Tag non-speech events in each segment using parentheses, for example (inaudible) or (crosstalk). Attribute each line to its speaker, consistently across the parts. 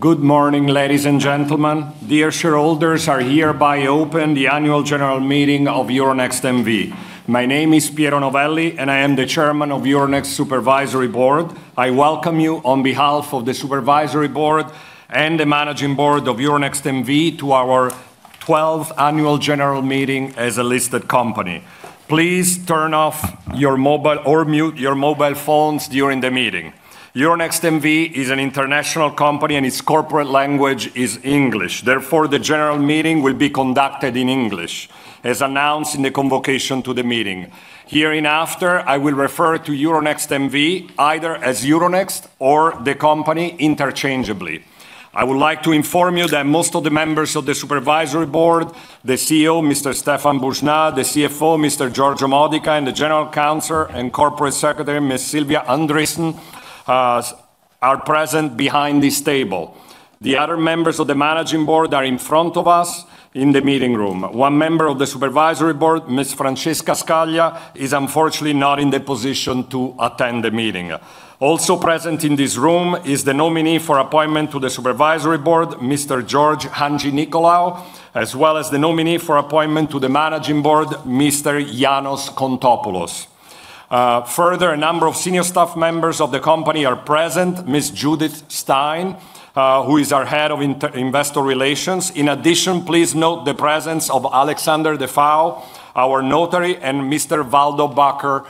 Speaker 1: Good morning, ladies and gentlemen. Dear shareholders, I hereby open the Annual General Meeting of Euronext N.V. My name is Piero Novelli, and I am the Chairman of Euronext's Supervisory Board. I welcome you on behalf of the Supervisory Board and the Managing Board of Euronext N.V. to our 12th Annual General Meeting as a listed company. Please turn off your mobile or mute your mobile phones during the meeting. Euronext N.V. is an international company, and its corporate language is English; therefore, the general meeting will be conducted in English, as announced in the convocation to the meeting. Hereafter, I will refer to Euronext N.V. either as Euronext or the company interchangeably. I would like to inform you that most of the members of the Supervisory Board, the CEO Mr. Stéphane Boujnah, the CFO Mr. Giorgio Modica, and the General Counsel and Corporate Secretary Ms. Sylvia Andriessen, are present behind this table. The other members of the Managing Board are in front of us in the meeting room. One member of the Supervisory Board, Ms. Francesca Scaglia, is unfortunately not in the position to attend the meeting. Also present in this room is the nominee for appointment to the Supervisory Board, Mr. George Handjinicolaou, as well as the nominee for appointment to the Managing Board, Mr. Yianos Kontopoulos. Further, a number of senior staff members of the company are present: Ms. Judith Stein, who is our Head of Investor Relations. In addition, please note the presence of Alexander Defauw, our notary, and Mr. Waldo Bakker,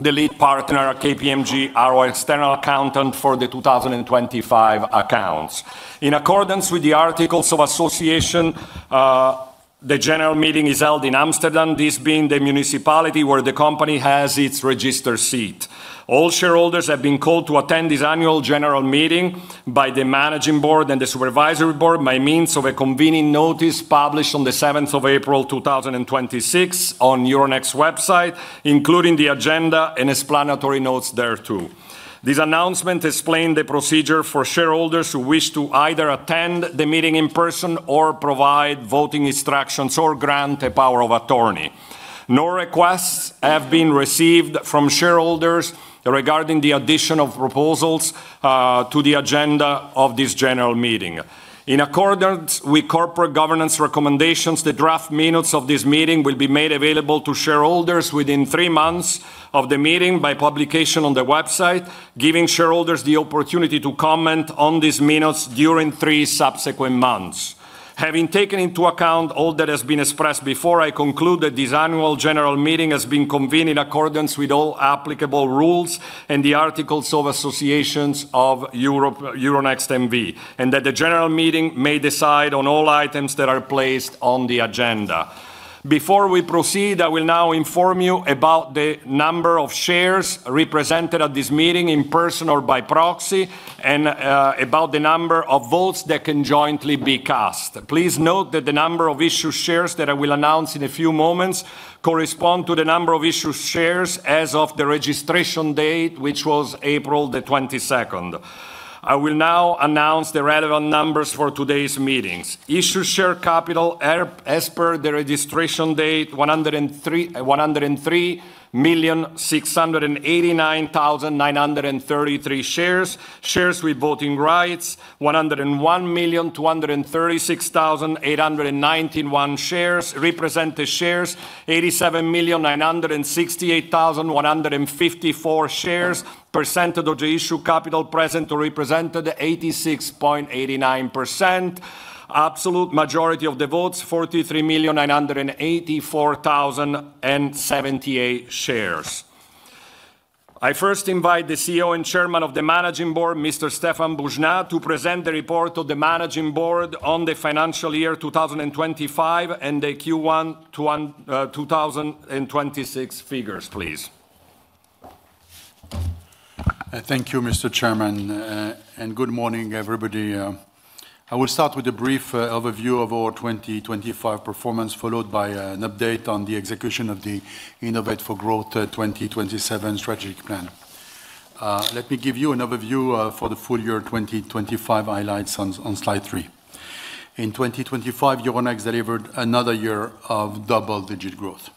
Speaker 1: the lead partner, a KPMG external accountant for the 2025 accounts. In accordance with the articles of association, the general meeting is held in Amsterdam, this being the municipality where the company has its registered seat. All shareholders have been called to attend this Annual General Meeting by the Managing Board and the Supervisory Board by means of a convening notice published on the 7th of April 2026 on Euronext's website, including the agenda and explanatory notes there too. This announcement explains the procedure for shareholders who wish to either attend the meeting in person or provide voting instructions or grant a power of attorney. No requests have been received from shareholders regarding the addition of proposals to the agenda of this general meeting. In accordance with corporate governance recommendations, the draft minutes of this meeting will be made available to shareholders within three months of the meeting by publication on the website, giving shareholders the opportunity to comment on these minutes during three subsequent months. Having taken into account all that has been expressed before, I conclude that this Annual General Meeting has been convened in accordance with all applicable rules and the articles of associations of Euronext N.V., and that the general meeting may decide on all items that are placed on the agenda. Before we proceed, I will now inform you about the number of shares represented at this meeting in person or by proxy, and about the number of votes that can jointly be cast. Please note that the number of issued shares that I will announce in a few moments correspond to the number of issued shares as of the registration date, which was April 22nd. I will now announce the relevant numbers for today's meetings. Issued share capital, as per the registration date, 103,689,933 shares with voting rights, 101,236,891 shares, represented shares, 87,968,154 shares, percentage of the issued capital present or represented, 86.89%, absolute majority of the votes, 43,984,078 shares. I first invite the CEO and Chairman of the Managing Board, Mr. Stéphane Boujnah, to present the report of the Managing Board on the financial year 2025 and the Q1 2026 figures, please.
Speaker 2: Thank you, Mr. Chairman. Good morning, everybody. I will start with a brief overview of our 2025 performance, followed by an update on the execution of the Innovate for Growth 2027 strategic plan. Let me give you an overview for the full year 2025 highlights on slide three. In 2025, Euronext delivered another year of double-digit growth.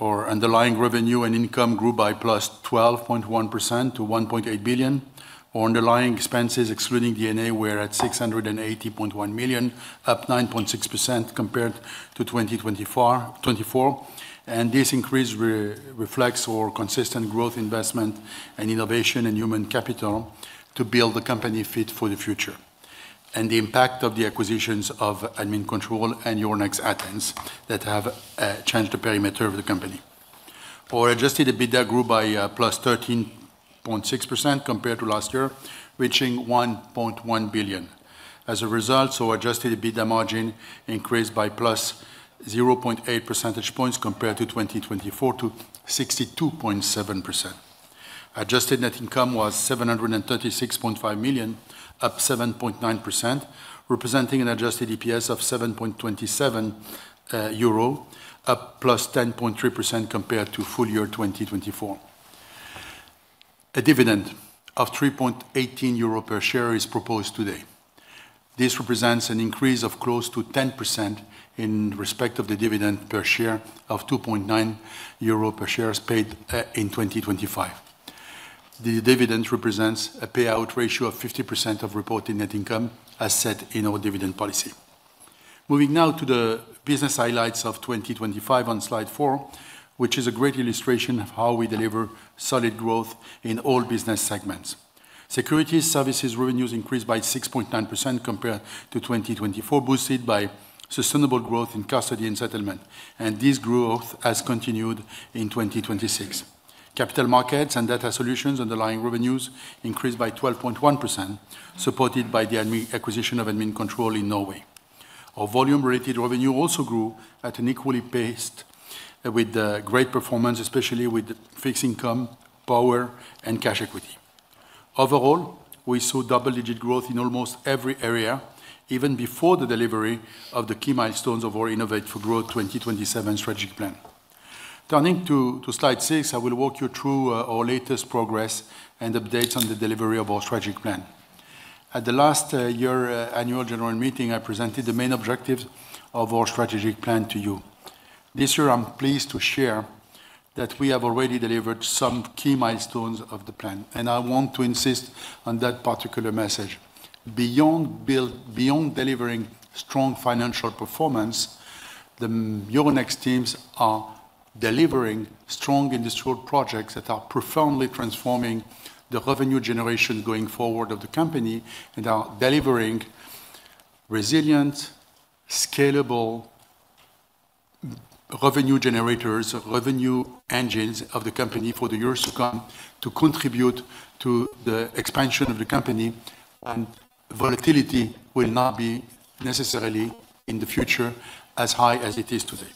Speaker 2: Our underlying revenue and income grew by +12.1% to 1.8 billion. Our underlying expenses, excluding D&A, were at 680.1 million, up 9.6% compared to 2024. This increase reflects our consistent growth investment in innovation and human capital to build a company fit for the future, and the impact of the acquisitions of Admincontrol and Euronext Athens that have changed the perimeter of the company. Our adjusted EBITDA grew by +13.6% compared to last year, reaching 1.1 billion. As a result, our adjusted EBITDA margin increased by +0.8 percentage points compared to 2024, to 62.7%. Adjusted net income was 736.5 million, up 7.9%, representing an adjusted EPS of 7.27 euro, up +10.3% compared to full year 2024. A dividend of 3.18 euro per share is proposed today. This represents an increase of close to 10% in respect of the dividend per share of 2.9 euro per shares paid in 2025. The dividend represents a payout ratio of 50% of reported net income, as set in our dividend policy. Moving now to the business highlights of 2025 on slide four, which is a great illustration of how we deliver solid growth in all business segments. Securities, services, revenues increased by 6.9% compared to 2024, boosted by sustainable growth in custody and settlement. This growth has continued in 2026. Capital markets and data solutions, underlying revenues, increased by 12.1%, supported by the acquisition of Admincontrol in Norway. Our volume-related revenue also grew at an equally paced rate, with great performance, especially with fixed income, power, and cash equity. Overall, we saw double-digit growth in almost every area, even before the delivery of the key milestones of our Innovate for Growth 2027 strategic plan. Turning to slide six, I will walk you through our latest progress and updates on the delivery of our strategic plan. At the last year's Annual General Meeting, I presented the main objectives of our strategic plan to you. This year, I'm pleased to share that we have already delivered some key milestones of the plan, and I want to insist on that particular message. Beyond delivering strong financial performance, the Euronext teams are delivering strong industrial projects that are profoundly transforming the revenue generation going forward of the company and are delivering resilient, scalable revenue generators, revenue engines of the company for the years to come to contribute to the expansion of the company, and volatility will not be necessarily in the future as high as it is today.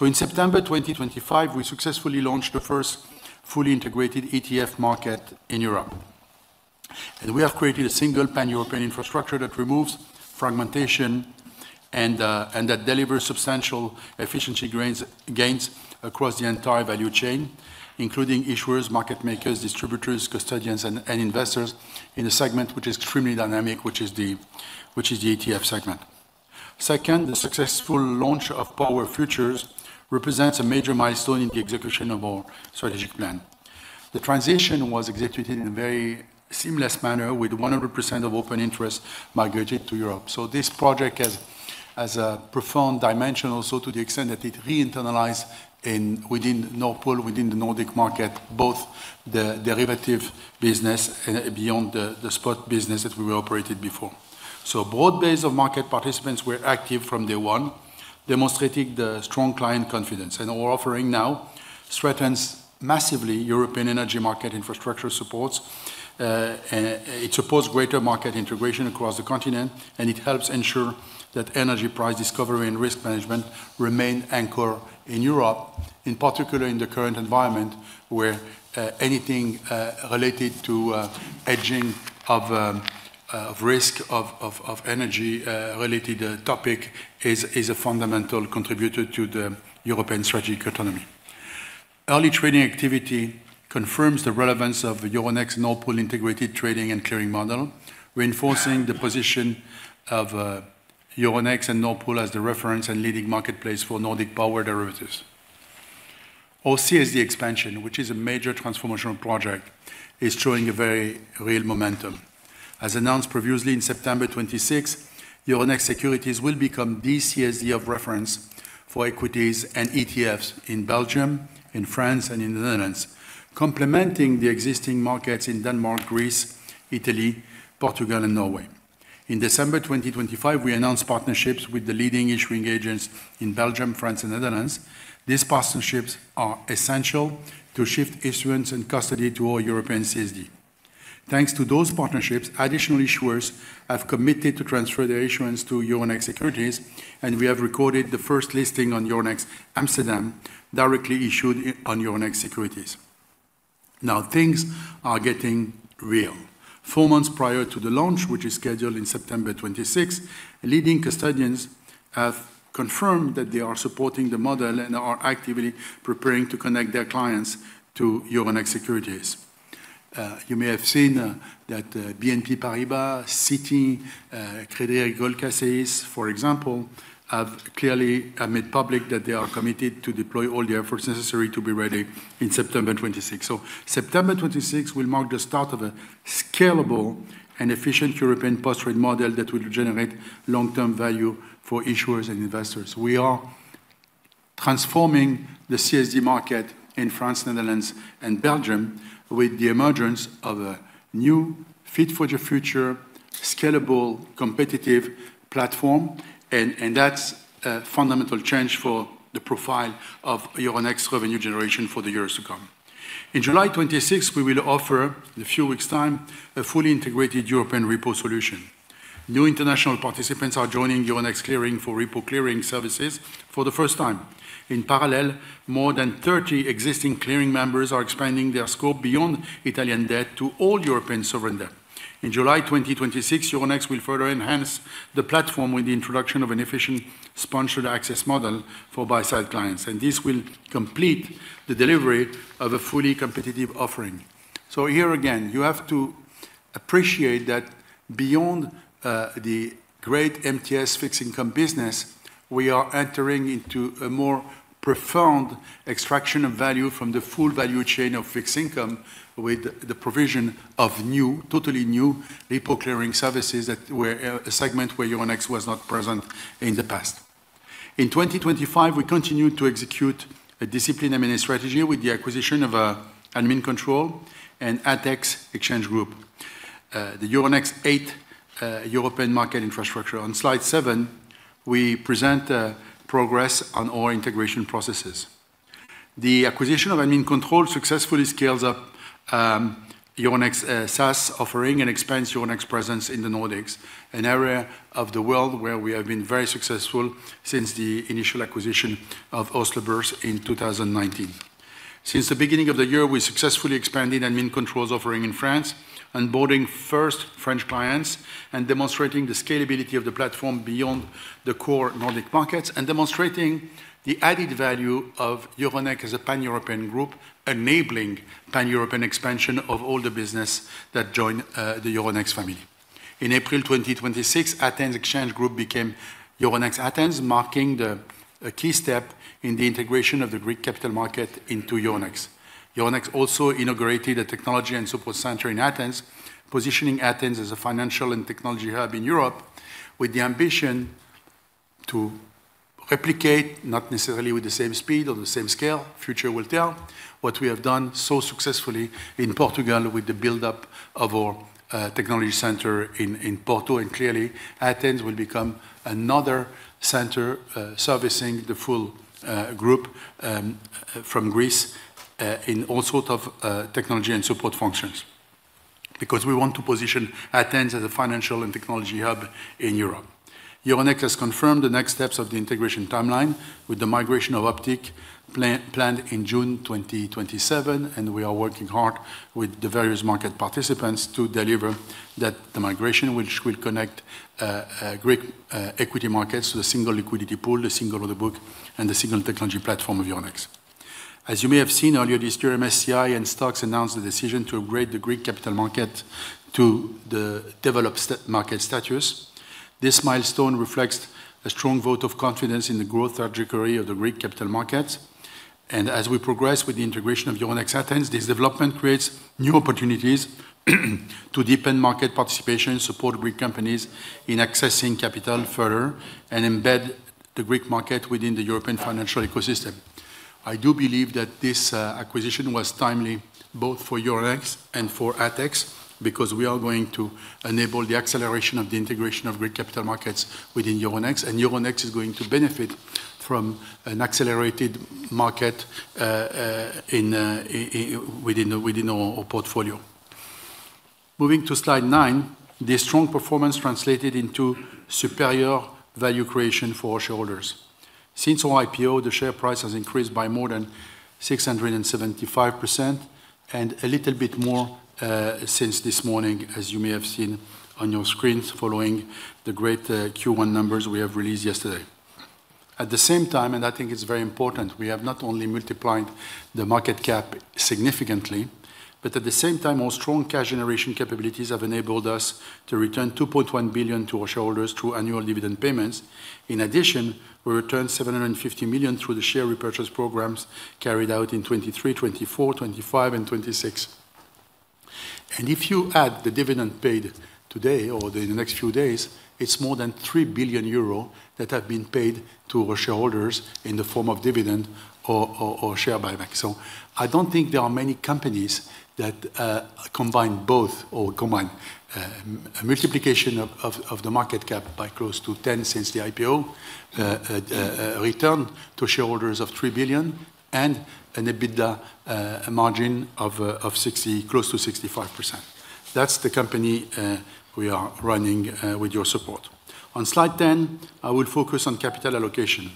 Speaker 2: In September 2025, we successfully launched the first fully integrated ETF market in Europe. We have created a single pan-European infrastructure that removes fragmentation and that delivers substantial efficiency gains across the entire value chain, including issuers, market makers, distributors, custodians, and investors in a segment which is extremely dynamic, which is the ETF segment. Second, the successful launch of Power Futures represents a major milestone in the execution of our strategic plan. The transition was executed in a very seamless manner, with 100% of open interest migrated to Europe. This project has a profound dimension also to the extent that it reinternalized within Nord Pool, within the Nordic market, both the derivative business and beyond the spot business that we were operating before. A broad base of market participants were active from day one, demonstrating the strong client confidence. Our offering now strengthens massively European energy market infrastructure supports. It supports greater market integration across the continent, and it helps ensure that energy price discovery and risk management remain anchored in Europe, in particular in the current environment where anything related to hedging of risk of energy-related topics is a fundamental contributor to the European strategic autonomy. Early trading activity confirms the relevance of the Euronext Nord Pool integrated trading and clearing model, reinforcing the position of Euronext and Nord Pool as the reference and leading marketplace for Nordic power derivatives. Our CSD expansion, which is a major transformational project, is showing a very real momentum. As announced previously in September 26th, Euronext Securities will become the CSD of reference for equities and ETFs in Belgium, in France, and in the Netherlands, complementing the existing markets in Denmark, Greece, Italy, Portugal, and Norway. In December 2025, we announced partnerships with the leading issuing agents in Belgium, France, and the Netherlands. These partnerships are essential to shift issuance and custody to our European CSD. Thanks to those partnerships, additional issuers have committed to transfer their issuance to Euronext Securities, and we have recorded the first listing on Euronext Amsterdam, directly issued on Euronext Securities. Now, things are getting real. Four months prior to the launch, which is scheduled in September 26th, leading custodians have confirmed that they are supporting the model and are actively preparing to connect their clients to Euronext Securities. You may have seen that BNP Paribas, Citi, CACEIS, for example, have clearly admitted publicly that they are committed to deploy all the efforts necessary to be ready in September 26th. September 26th will mark the start of a scalable and efficient European post-trade model that will generate long-term value for issuers and investors. We are transforming the CSD market in France, Netherlands, and Belgium with the emergence of a new fit-for-the-future, scalable, competitive platform, and that's a fundamental change for the profile of Euronext revenue generation for the years to come. In July 26th, we will offer, in a few weeks' time, a fully integrated European repo solution. New international participants are joining Euronext Clearing for repo clearing services for the first time. In parallel, more than 30 existing clearing members are expanding their scope beyond Italian debt to all European sovereign debt. In July 2026, Euronext will further enhance the platform with the introduction of an efficient sponsored access model for buy-side clients, and this will complete the delivery of a fully competitive offering. Here again, you have to appreciate that beyond the great MTS fixed income business, we are entering into a more profound extraction of value from the full value chain of fixed income with the provision of new, totally new repo clearing services that were a segment where Euronext was not present in the past. In 2025, we continue to execute a discipline-administered strategy with the acquisition of Admincontrol and ATHEX Exchange Group, the Euronext eight European market infrastructure. On slide seven, we present progress on our integration processes. The acquisition of Admincontrol successfully scales up Euronext SaaS offering and expands Euronext presence in the Nordics, an area of the world where we have been very successful since the initial acquisition of Oslo Børs in 2019. Since the beginning of the year, we successfully expanded Admincontrol's offering in France, onboarding first French clients, and demonstrating the scalability of the platform beyond the core Nordic markets, and demonstrating the added value of Euronext as a pan-European group, enabling pan-European expansion of all the business that join the Euronext family. In April 2026, Athens Exchange Group became Euronext Athens, marking a key step in the integration of the Greek capital market into Euronext. Euronext also inaugurated a technology and support center in Athens, positioning Athens as a financial and technology hub in Europe with the ambition to replicate, not necessarily with the same speed or the same scale, future will tell, what we have done so successfully in Portugal with the buildup of our technology center in Porto. Clearly, Athens will become another center servicing the full group from Greece in all sorts of technology and support functions because we want to position Athens as a financial and technology hub in Europe. Euronext has confirmed the next steps of the integration timeline with the migration of Optiq planned in June 2027, and we are working hard with the various market participants to deliver that the migration, which will connect Greek equity markets to the single liquidity pool, the single order book, and the single technology platform of Euronext. As you may have seen earlier this year, MSCI and STOXX announced the decision to upgrade the Greek capital market to the developed market status. This milestone reflects a strong vote of confidence in the growth trajectory of the Greek capital markets. As we progress with the integration of Euronext Athens, this development creates new opportunities to deepen market participation, support Greek companies in accessing capital further, and embed the Greek market within the European financial ecosystem. I do believe that this acquisition was timely both for Euronext and for ATHEX because we are going to enable the acceleration of the integration of Greek capital markets within Euronext, and Euronext is going to benefit from an accelerated market within our portfolio. Moving to slide nine, this strong performance translated into superior value creation for our shareholders. Since our IPO, the share price has increased by more than 675% and a little bit more since this morning, as you may have seen on your screens following the great Q1 numbers we have released yesterday. At the same time, and I think it's very important, we have not only multiplied the market cap significantly, but at the same time, our strong cash generation capabilities have enabled us to return 2.1 billion to our shareholders through annual dividend payments. In addition, we returned 750 million through the share repurchase programs carried out in 2023, 2024, 2025, and 2026. If you add the dividend paid today or in the next few days, it's more than 3 billion euro that have been paid to our shareholders in the form of dividend or share buyback. I don't think there are many companies that combine both or combine a multiplication of the market cap by close to 10 since the IPO, a return to shareholders of 3 billion, and an EBITDA margin of close to 65%. That's the company we are running with your support. On slide 10, I will focus on capital allocation.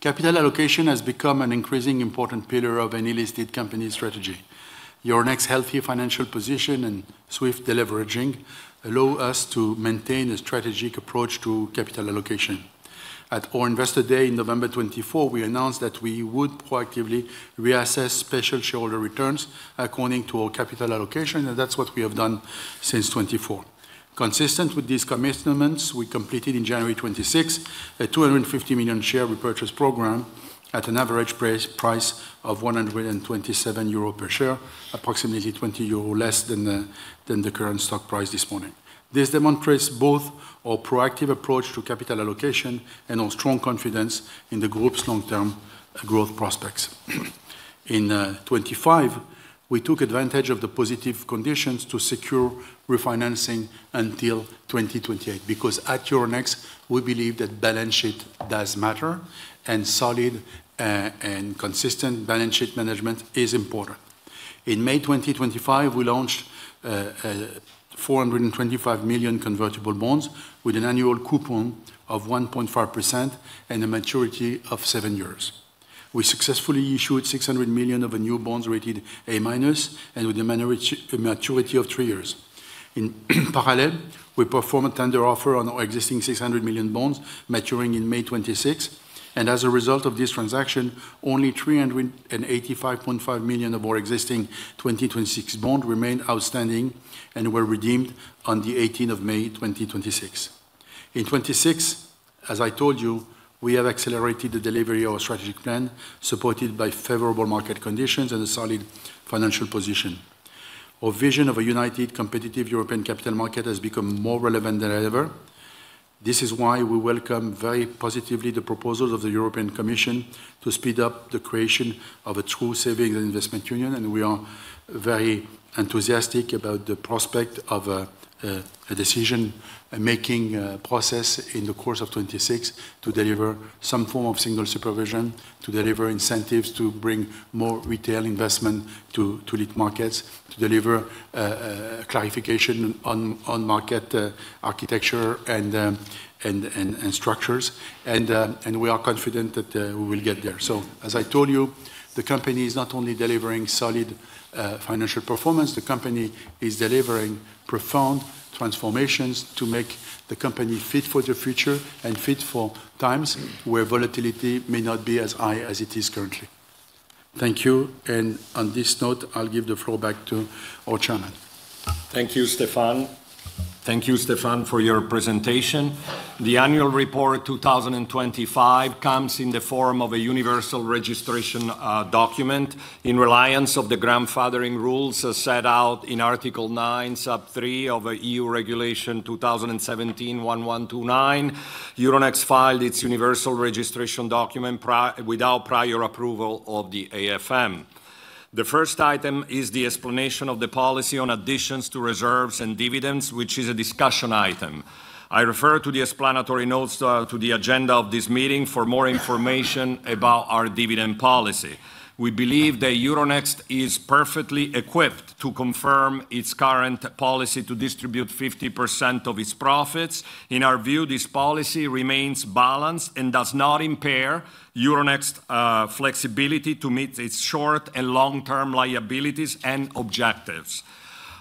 Speaker 2: Capital allocation has become an increasingly important pillar of any listed company strategy. Euronext's healthy financial position and swift deleveraging allow us to maintain a strategic approach to capital allocation. At our investor day in November 2024, we announced that we would proactively reassess special shareholder returns according to our capital allocation, and that's what we have done since 2024. Consistent with these commitments, we completed in January 2026 a 250 million share repurchase program at an average price of 127 euro per share, approximately 20 euro less than the current stock price this morning. This demonstrates both our proactive approach to capital allocation and our strong confidence in the group's long-term growth prospects. In 2025, we took advantage of the positive conditions to secure refinancing until 2028 because at Euronext, we believe that balance sheet does matter, and solid and consistent balance sheet management is important. In May 2025, we launched 425 million convertible bonds with an annual coupon of 1.5% and a maturity of seven years. We successfully issued 600 million of new bonds rated A- and with a maturity of three years. In parallel, we performed a tender offer on our existing 600 million bonds, maturing in May 2026. As a result of this transaction, only 385.5 million of our existing 2026 bonds remained outstanding and were redeemed on the 18th of May 2026. In 2026, as I told you, we have accelerated the delivery of our strategic plan, supported by favorable market conditions and a solid financial position. Our vision of a united, competitive European capital market has become more relevant than ever. This is why we welcome very positively the proposals of the European Commission to speed up the creation of a true savings and investment union, and we are very enthusiastic about the prospect of a decision-making process in the course of 2026 to deliver some form of single supervision, to deliver incentives to bring more retail investment to elite markets, to deliver clarification on market architecture and structures. We are confident that we will get there. As I told you, the company is not only delivering solid financial performance, the company is delivering profound transformations to make the company fit for the future and fit for times where volatility may not be as high as it is currently. Thank you. On this note, I'll give the floor back to our Chairman.
Speaker 1: Thank you, Stéphane. Thank you, Stéphane, for your presentation. The annual report 2025 comes in the form of a universal registration document in reliance on the grandfathering rules set out in Article 9, Sub 3 of Regulation (EU) 2017/1129. Euronext filed its universal registration document without prior approval of the AFM. The first item is the explanation of the policy on additions to reserves and dividends, which is a discussion item. I refer to the explanatory notes to the agenda of this meeting for more information about our dividend policy. We believe that Euronext is perfectly equipped to confirm its current policy to distribute 50% of its profits. In our view, this policy remains balanced and does not impair Euronext's flexibility to meet its short and long-term liabilities and objectives.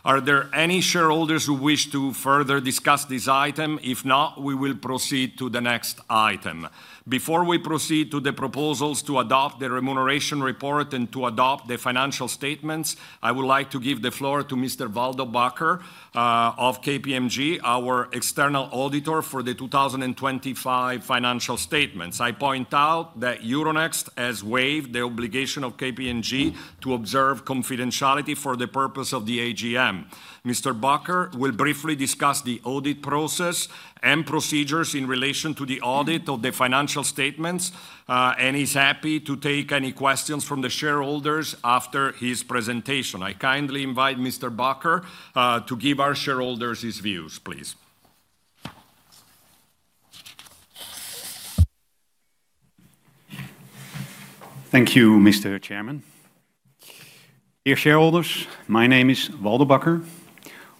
Speaker 1: Are there any shareholders who wish to further discuss this item? If not, we will proceed to the next item. Before we proceed to the proposals to adopt the remuneration report and to adopt the financial statements, I would like to give the floor to Mr. Waldo Bakker of KPMG, our external auditor for the 2025 financial statements. I point out that Euronext has waived the obligation of KPMG to observe confidentiality for the purpose of the AGM. Mr. Bakker will briefly discuss the audit process and procedures in relation to the audit of the financial statements, and is happy to take any questions from the shareholders after his presentation. I kindly invite Mr. Bakker to give our shareholders his views, please.
Speaker 3: Thank you, Mr. Chairman. Dear shareholders, my name is Walt Bakker.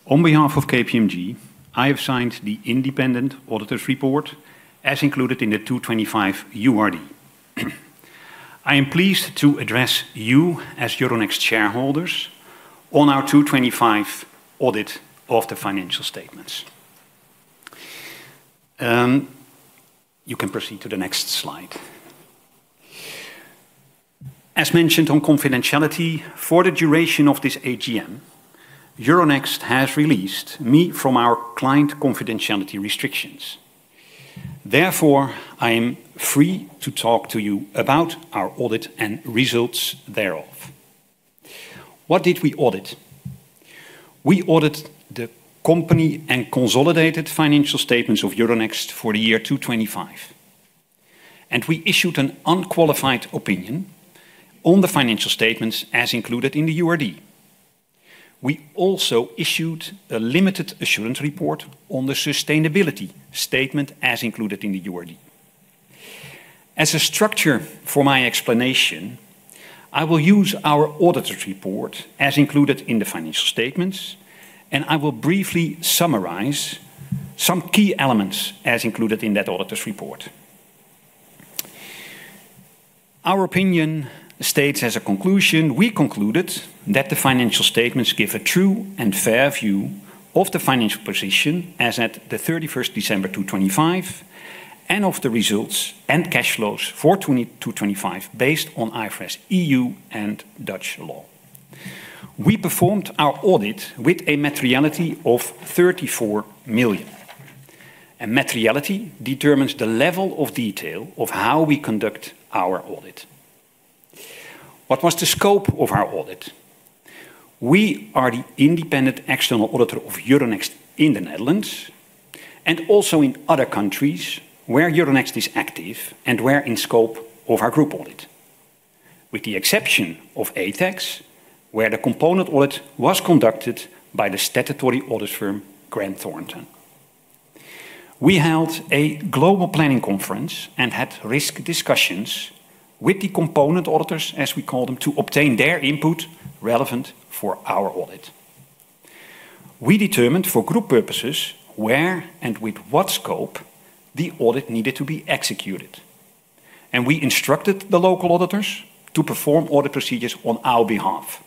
Speaker 3: On behalf of KPMG, I have signed the independent auditor's report as included in the 2025 URD. I am pleased to address you as Euronext shareholders on our 2025 audit of the financial statements. You can proceed to the next slide. As mentioned on confidentiality, for the duration of this AGM, Euronext has released me from our client confidentiality restrictions. Therefore, I am free to talk to you about our audit and results thereof. What did we audit? We audited the company and consolidated financial statements of Euronext for the year 2025, and we issued an unqualified opinion on the financial statements as included in the URD. We also issued a limited assurance report on the sustainability statement as included in the URD. As a structure for my explanation, I will use our auditor's report as included in the financial statements, and I will briefly summarize some key elements as included in that auditor's report. Our opinion states as a conclusion, we concluded that the financial statements give a true and fair view of the financial position as at the 31st December 2025 and of the results and cash flows for 2025, based on IFRS EU and Dutch law. We performed our audit with a materiality of 34 million. Materiality determines the level of detail of how we conduct our audit. What was the scope of our audit? We are the independent external auditor of Euronext in the Netherlands and also in other countries where Euronext is active, and where, in scope of our group audit, with the exception of ATHEX, where the component audit was conducted by the statutory audit firm Grant Thornton. We held a global planning conference and had risk discussions with the component auditors, as we call them, to obtain their input relevant for our audit. We determined for group purposes where and with what scope the audit needed to be executed. We instructed the local auditors to perform audit procedures on our behalf.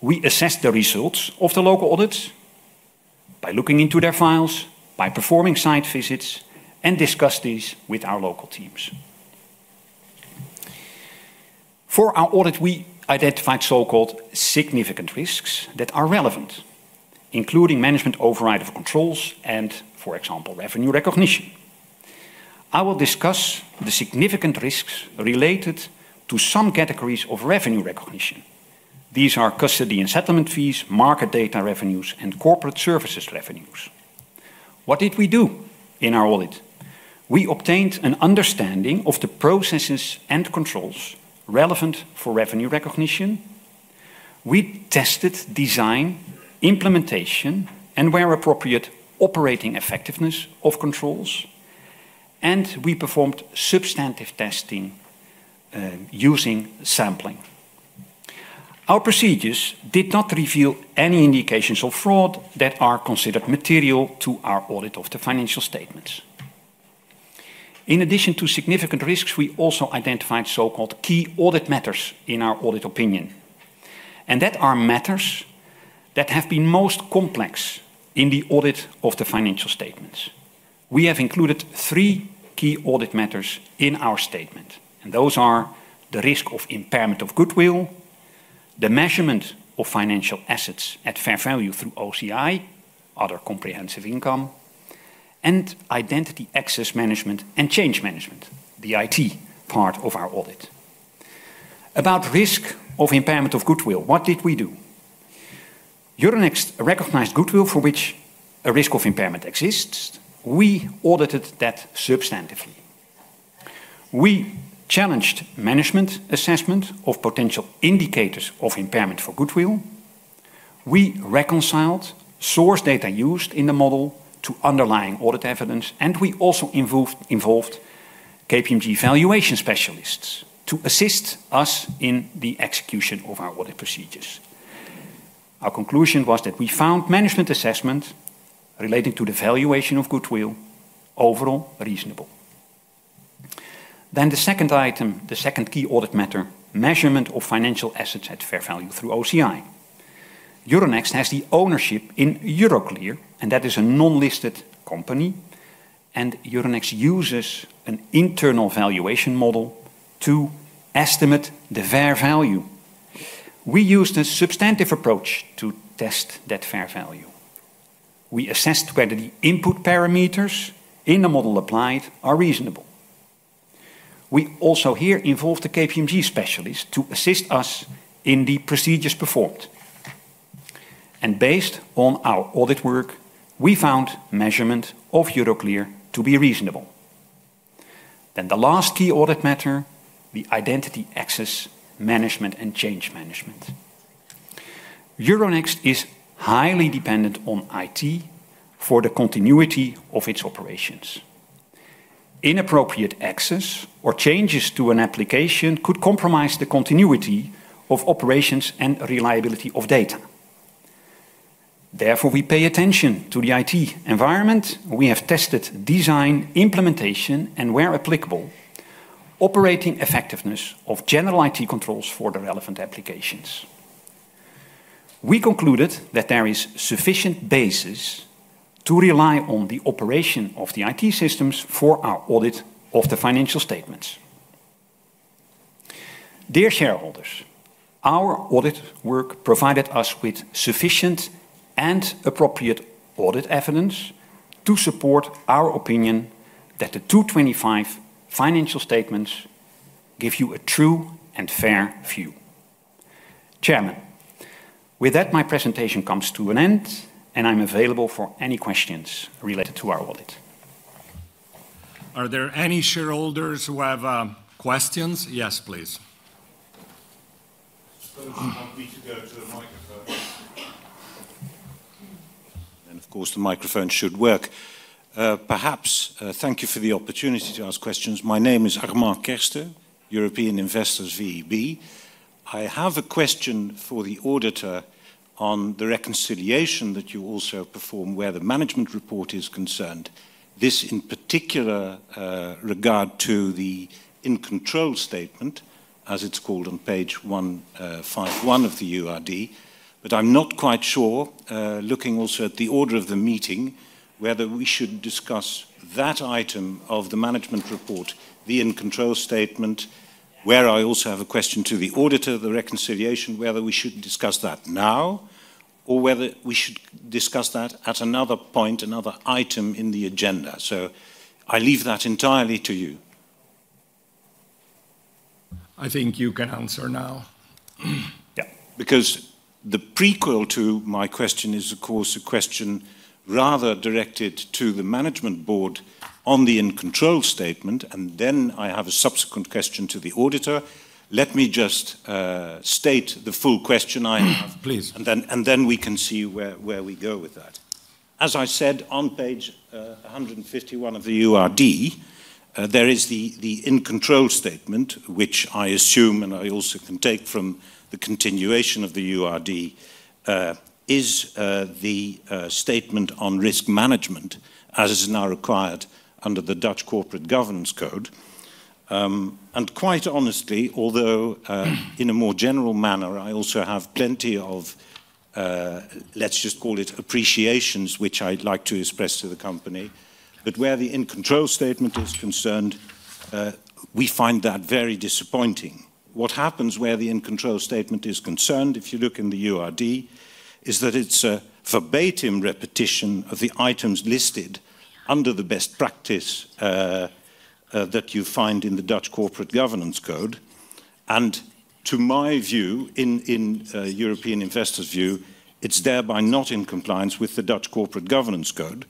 Speaker 3: We assessed the results of the local audits by looking into their files, by performing site visits, and discussed these with our local teams. For our audit, we identified so-called significant risks that are relevant, including management override of controls and, for example, revenue recognition. I will discuss the significant risks related to some categories of revenue recognition. These are custody and settlement fees, market data revenues, and corporate services revenues. What did we do in our audit? We obtained an understanding of the processes and controls relevant for revenue recognition. We tested design, implementation, and, where appropriate, operating effectiveness of controls. We performed substantive testing using sampling. Our procedures did not reveal any indications of fraud that are considered material to our audit of the financial statements. In addition to significant risks, we also identified so-called key audit matters in our audit opinion. That are matters that have been most complex in the audit of the financial statements. We have included three key audit matters in our statement. Those are the risk of impairment of goodwill, the measurement of financial assets at fair value through OCI, other comprehensive income, and identity access management and change management, the IT part of our audit. About risk of impairment of goodwill, what did we do? Euronext recognized goodwill for which a risk of impairment exists. We audited that substantively. We challenged management assessment of potential indicators of impairment for goodwill. We reconciled source data used in the model to underlying audit evidence. We also involved KPMG valuation specialists to assist us in the execution of our audit procedures. Our conclusion was that we found management assessment relating to the valuation of goodwill overall reasonable. The second item, the second key audit matter, measurement of financial assets at fair value through OCI. Euronext has the ownership in Euroclear, and that is a non-listed company. Euronext uses an internal valuation model to estimate the fair value. We used a substantive approach to test that fair value. We assessed whether the input parameters in the model applied are reasonable. We also here involved the KPMG specialists to assist us in the procedures performed. Based on our audit work, we found measurement of Euroclear to be reasonable. The last key audit matter, the identity access management and change management. Euronext is highly dependent on IT for the continuity of its operations. Inappropriate access or changes to an application could compromise the continuity of operations and reliability of data. Therefore, we pay attention to the IT environment. We have tested design, implementation, and, where applicable, operating effectiveness of general IT controls for the relevant applications. We concluded that there is sufficient basis to rely on the operation of the IT systems for our audit of the financial statements. Dear shareholders, our audit work provided us with sufficient and appropriate audit evidence to support our opinion that the 2025 financial statements give you a true and fair view. Chairman, with that, my presentation comes to an end, and I'm available for any questions related to our audit.
Speaker 1: Are there any shareholders who have questions? Yes, please.
Speaker 4: I suppose you want me to go to the microphone. Of course, the microphone should work. Perhaps thank you for the opportunity to ask questions. My name is Armand Kersten, European Investors-VEB. I have a question for the auditor on the reconciliation that you also perform, where the management report is concerned. This in particular regard to the in-control statement, as it's called on page 151 of the URD. I'm not quite sure, looking also at the order of the meeting, whether we should discuss that item of the management report, the in-control statement, where I also have a question to the auditor of the reconciliation, whether we should discuss that now or whether we should discuss that at another point, another item in the agenda. I leave that entirely to you.
Speaker 1: I think you can answer now.
Speaker 4: Yeah. Because the prequel to my question is, of course, a question rather directed to the Management Board on the in-control statement. I have a subsequent question to the auditor. Let me just state the full question I have.
Speaker 1: Please.
Speaker 4: We can see where we go with that. As I said, on page 151 of the URD, there is the in-control statement, which I assume, and I also can take from the continuation of the URD, is the statement on risk management as is now required under the Dutch Corporate Governance Code. Quite honestly, although in a more general manner, I also have plenty of, let's just call it, appreciations which I'd like to express to the company. Where the in-control statement is concerned, we find that very disappointing. What happens where the in-control statement is concerned, if you look in the URD, is that it's a verbatim repetition of the items listed under the best practice that you find in the Dutch Corporate Governance Code. To my view, in European Investors' view, it's thereby not in compliance with the Dutch Corporate Governance Code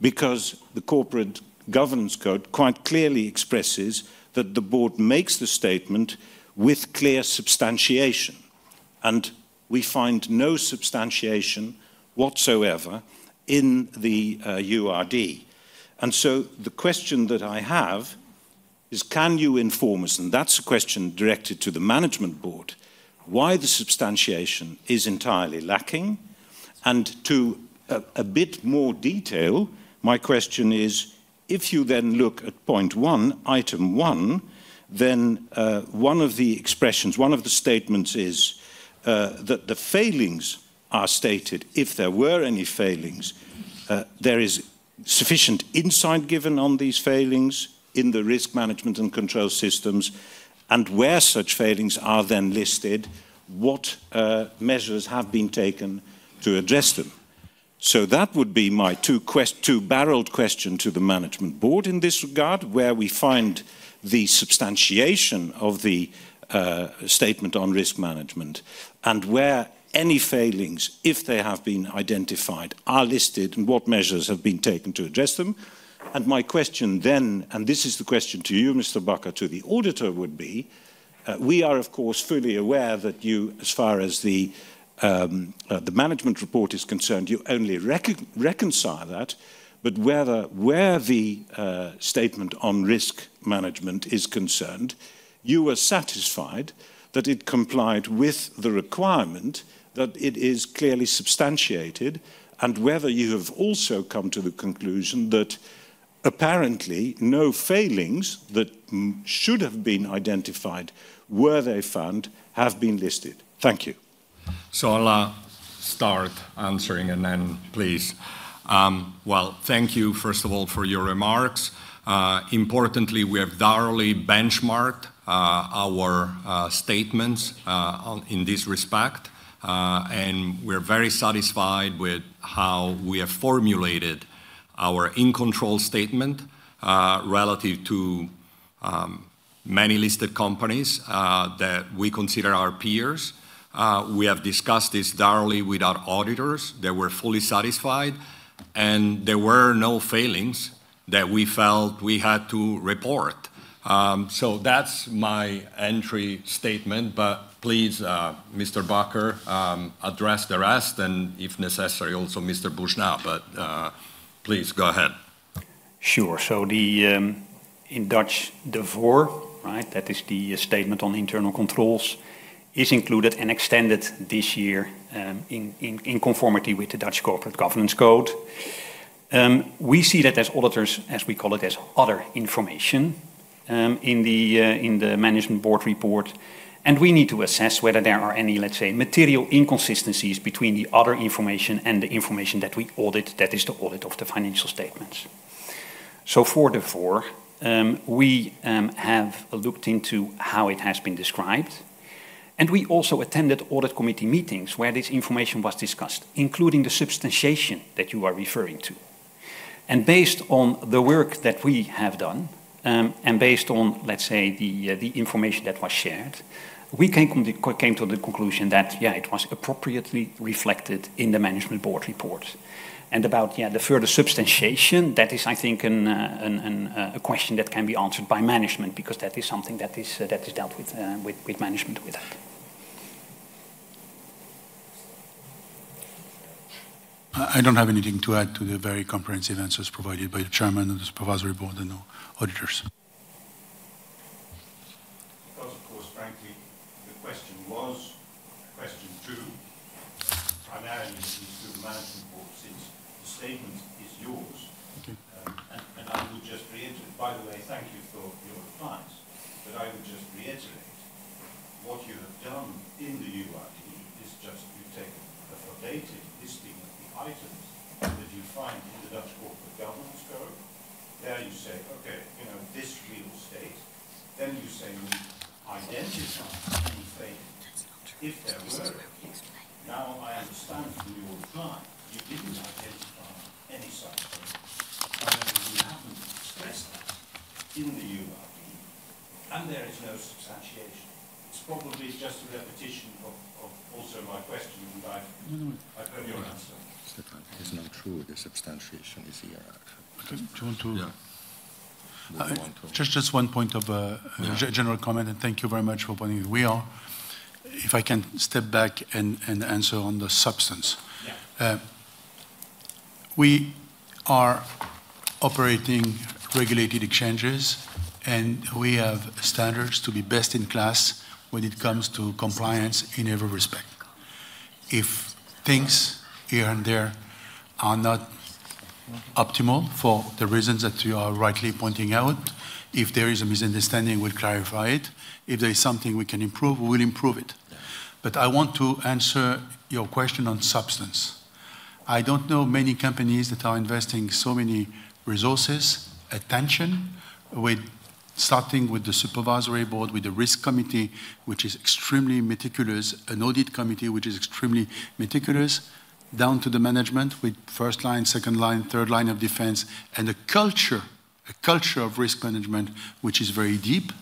Speaker 4: because the Corporate Governance Code quite clearly expresses that the Board makes the statement with clear substantiation. We find no substantiation whatsoever in the URD. The question that I have is, can you inform us, and that's a question directed to the Managing Board, why the substantiation is entirely lacking? To a bit more detail, my question is, if you then look at point one, item one, then one of the expressions, one of the statements, is that the failings are stated. If there were any failings, there is sufficient insight given on these failings in the risk management and control systems. Where such failings are then listed, what measures have been taken to address them? That would be my two-barreled question to the Management Board in this regard, where we find the substantiation of the statement on risk management and where any failings, if they have been identified, are listed and what measures have been taken to address them. My question, then, and this is the question to you, Mr. Bakker, to the auditor would be, we are, of course, fully aware that you, as far as the management report is concerned, you only reconcile that. Whether where the statement on risk management is concerned, you are satisfied that it complied with the requirement that it is clearly substantiated and whether you have also come to the conclusion that, apparently, no failings that should have been identified, were they found, have been listed. Thank you.
Speaker 1: I'll start answering and then, please. Well, thank you, first of all, for your remarks. Importantly, we have thoroughly benchmarked our statements in this respect. We're very satisfied with how we have formulated our in-control statement relative to many listed companies that we consider our peers. We have discussed this thoroughly with our auditors. They were fully satisfied. There were no failings that we felt we had to report. That's my entry statement. Please, Mr. Bakker, address the rest. If necessary, also Mr. Boujnah. Please go ahead.
Speaker 3: Sure. In Dutch, the VOR, right, that is the statement on internal controls, is included and extended this year in conformity with the Dutch Corporate Governance Code. We see that as auditors, as we call it, as other information in the Management Board report. We need to assess whether there are any, let's say, material inconsistencies between the other information and the information that we audit, that is, the audit of the financial statements. For the VOR, we have looked into how it has been described. We also attended audit committee meetings where this information was discussed, including the substantiation that you are referring to. Based on the work that we have done and based on, let's say, the information that was shared, we came to the conclusion that, yeah, it was appropriately reflected in the Management Board report. About the further substantiation, that is, I think, a question that can be answered by management, because that is something that is dealt with management with.
Speaker 2: I don't have anything to add to the very comprehensive answers provided by the Chairman of the Supervisory Board and the auditors.
Speaker 4: Of course, frankly, the question was a question true, primarily at least to the Management Board since the statement is yours. I would just reiterate, by the way, thank you for your replies. I would just reiterate what you have done in the URD is just you take a verbatim listing of the items that you find in the Dutch Corporate Governance Code. There you say, "Okay, this real estate." You say, "We identified any failings if there were any." Now I understand from your reply you didn't identify any such failings. You haven't expressed that in the URD. There is no substantiation. It's probably just a repetition of also my question. I've heard your answer.
Speaker 2: It's not true the substantiation is here, actually.
Speaker 1: Do you want to?
Speaker 2: Yeah.
Speaker 1: Do you want to?
Speaker 2: Just one point of general comment. Thank you very much for pointing it. We are, if I can step back and answer on the substance. We are operating regulated exchanges. We have standards to be best in class when it comes to compliance in every respect. If things here and there are not optimal for the reasons that you are rightly pointing out, if there is a misunderstanding, we'll clarify it. If there is something we can improve, we will improve it. I want to answer your question on substance. I don't know many companies that are investing so many resources, attention, starting with the Supervisory Board, with the Risk Committee, which is extremely meticulous, an Audit Committee, which is extremely meticulous, down to the management with first line, second line, third line of defense. A culture of risk management which is very deep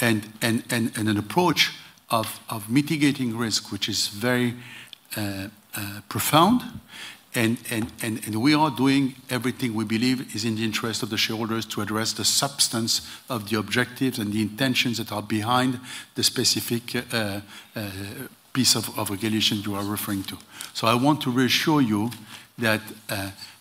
Speaker 2: and an approach of mitigating risk which is very profound. We are doing everything we believe is in the interest of the shareholders to address the substance of the objectives and the intentions that are behind the specific piece of regulation you are referring to. I want to reassure you that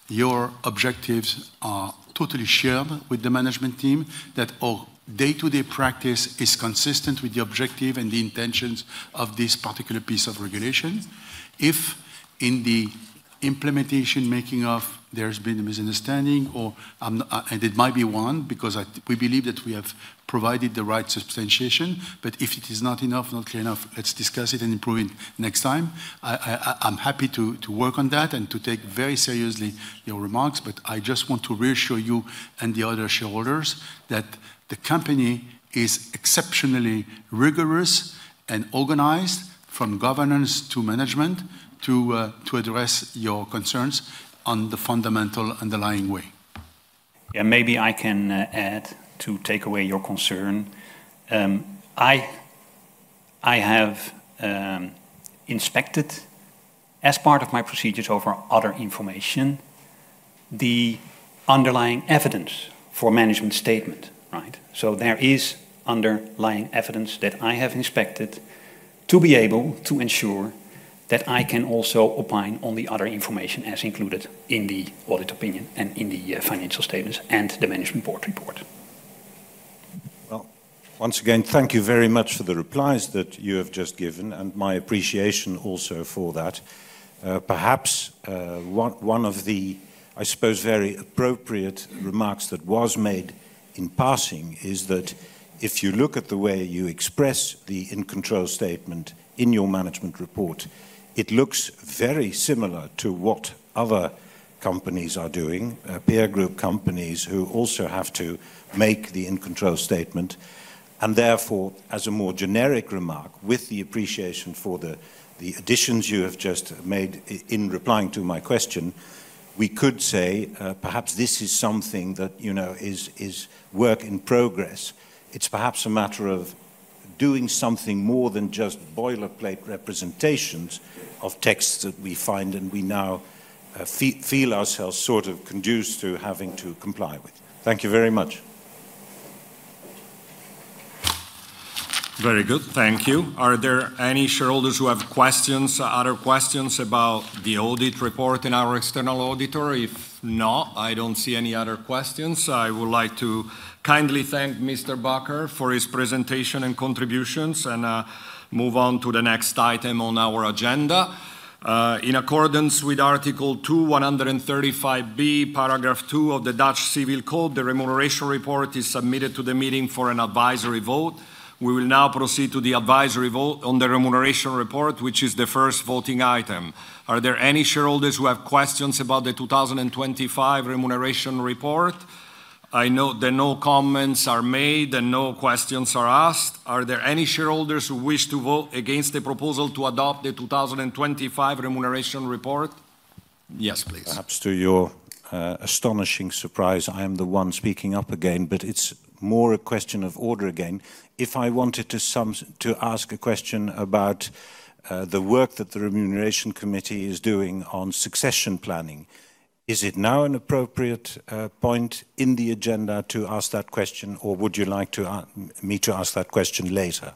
Speaker 2: your objectives are totally shared with the management team, that our day-to-day practice is consistent with the objective and the intentions of this particular piece of regulation. If in the implementation, there has been a misunderstanding or and it might be one because we believe that we have provided the right substantiation. If it is not enough, not clear enough, let's discuss it and improve it next time. I'm happy to work on that and to take very seriously your remarks. I just want to reassure you and the other shareholders that the company is exceptionally rigorous and organized from governance to management to address your concerns on the fundamental underlying way.
Speaker 3: Yeah. Maybe I can add to take away your concern. I have inspected, as part of my procedures over other information, the underlying evidence for management statement, right? There is underlying evidence that I have inspected to be able to ensure that I can also opine on the other information, as included in the audit opinion and in the financial statements and the Management Board report.
Speaker 4: Well, once again, thank you very much for the replies that you have just given. My appreciation also for that. Perhaps one of the, I suppose, very appropriate remarks that was made in passing is that if you look at the way you express the in-control statement in your management report, it looks very similar to what other companies are doing, peer group companies who also have to make the in-control statement. Therefore, as a more generic remark, with the appreciation for the additions you have just made in replying to my question, we could say perhaps this is something that is work in progress. It's perhaps a matter of doing something more than just boilerplate representations of texts that we find, and we now feel ourselves sort of conduce to having to comply with. Thank you very much.
Speaker 1: Very good. Thank you. Are there any shareholders who have questions, other questions about the audit report in our external auditor? If not, I don't see any other questions. I would like to kindly thank Mr. Bakker for his presentation and contributions, and move on to the next item on our agenda. In accordance with Article 2:135b, Paragraph 2 of the Dutch Civil Code, the remuneration report is submitted to the meeting for an advisory vote. We will now proceed to the advisory vote on the remuneration report, which is the first voting item. Are there any shareholders who have questions about the 2025 remuneration report? I know that no comments are made and no questions are asked. Are there any shareholders who wish to vote against the proposal to adopt the 2025 remuneration report? Yes, please.
Speaker 4: Perhaps to your astonishing surprise, I am the one speaking up again. It's more a question of order again. If I wanted to ask a question about the work that the remuneration committee is doing on succession planning, is it now an appropriate point in the agenda to ask that question? Would you like me to ask that question later?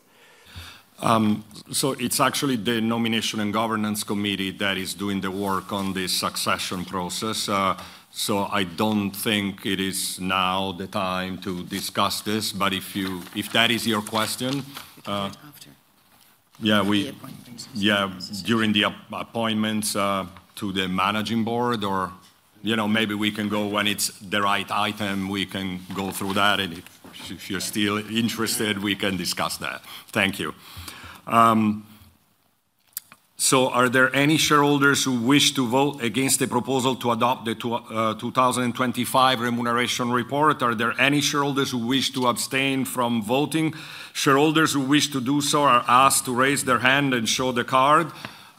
Speaker 1: It's actually the nomination and governance committee that is doing the work on this succession process. I don't think it is now the time to discuss this. If that is your question. Yeah. During the appointments to the Managing Board, or maybe we can go when it's the right item, we can go through that. If you're still interested, we can discuss that. Thank you. Are there any shareholders who wish to vote against the proposal to adopt the 2025 remuneration report? Are there any shareholders who wish to abstain from voting? Shareholders who wish to do so are asked to raise their hand and show the card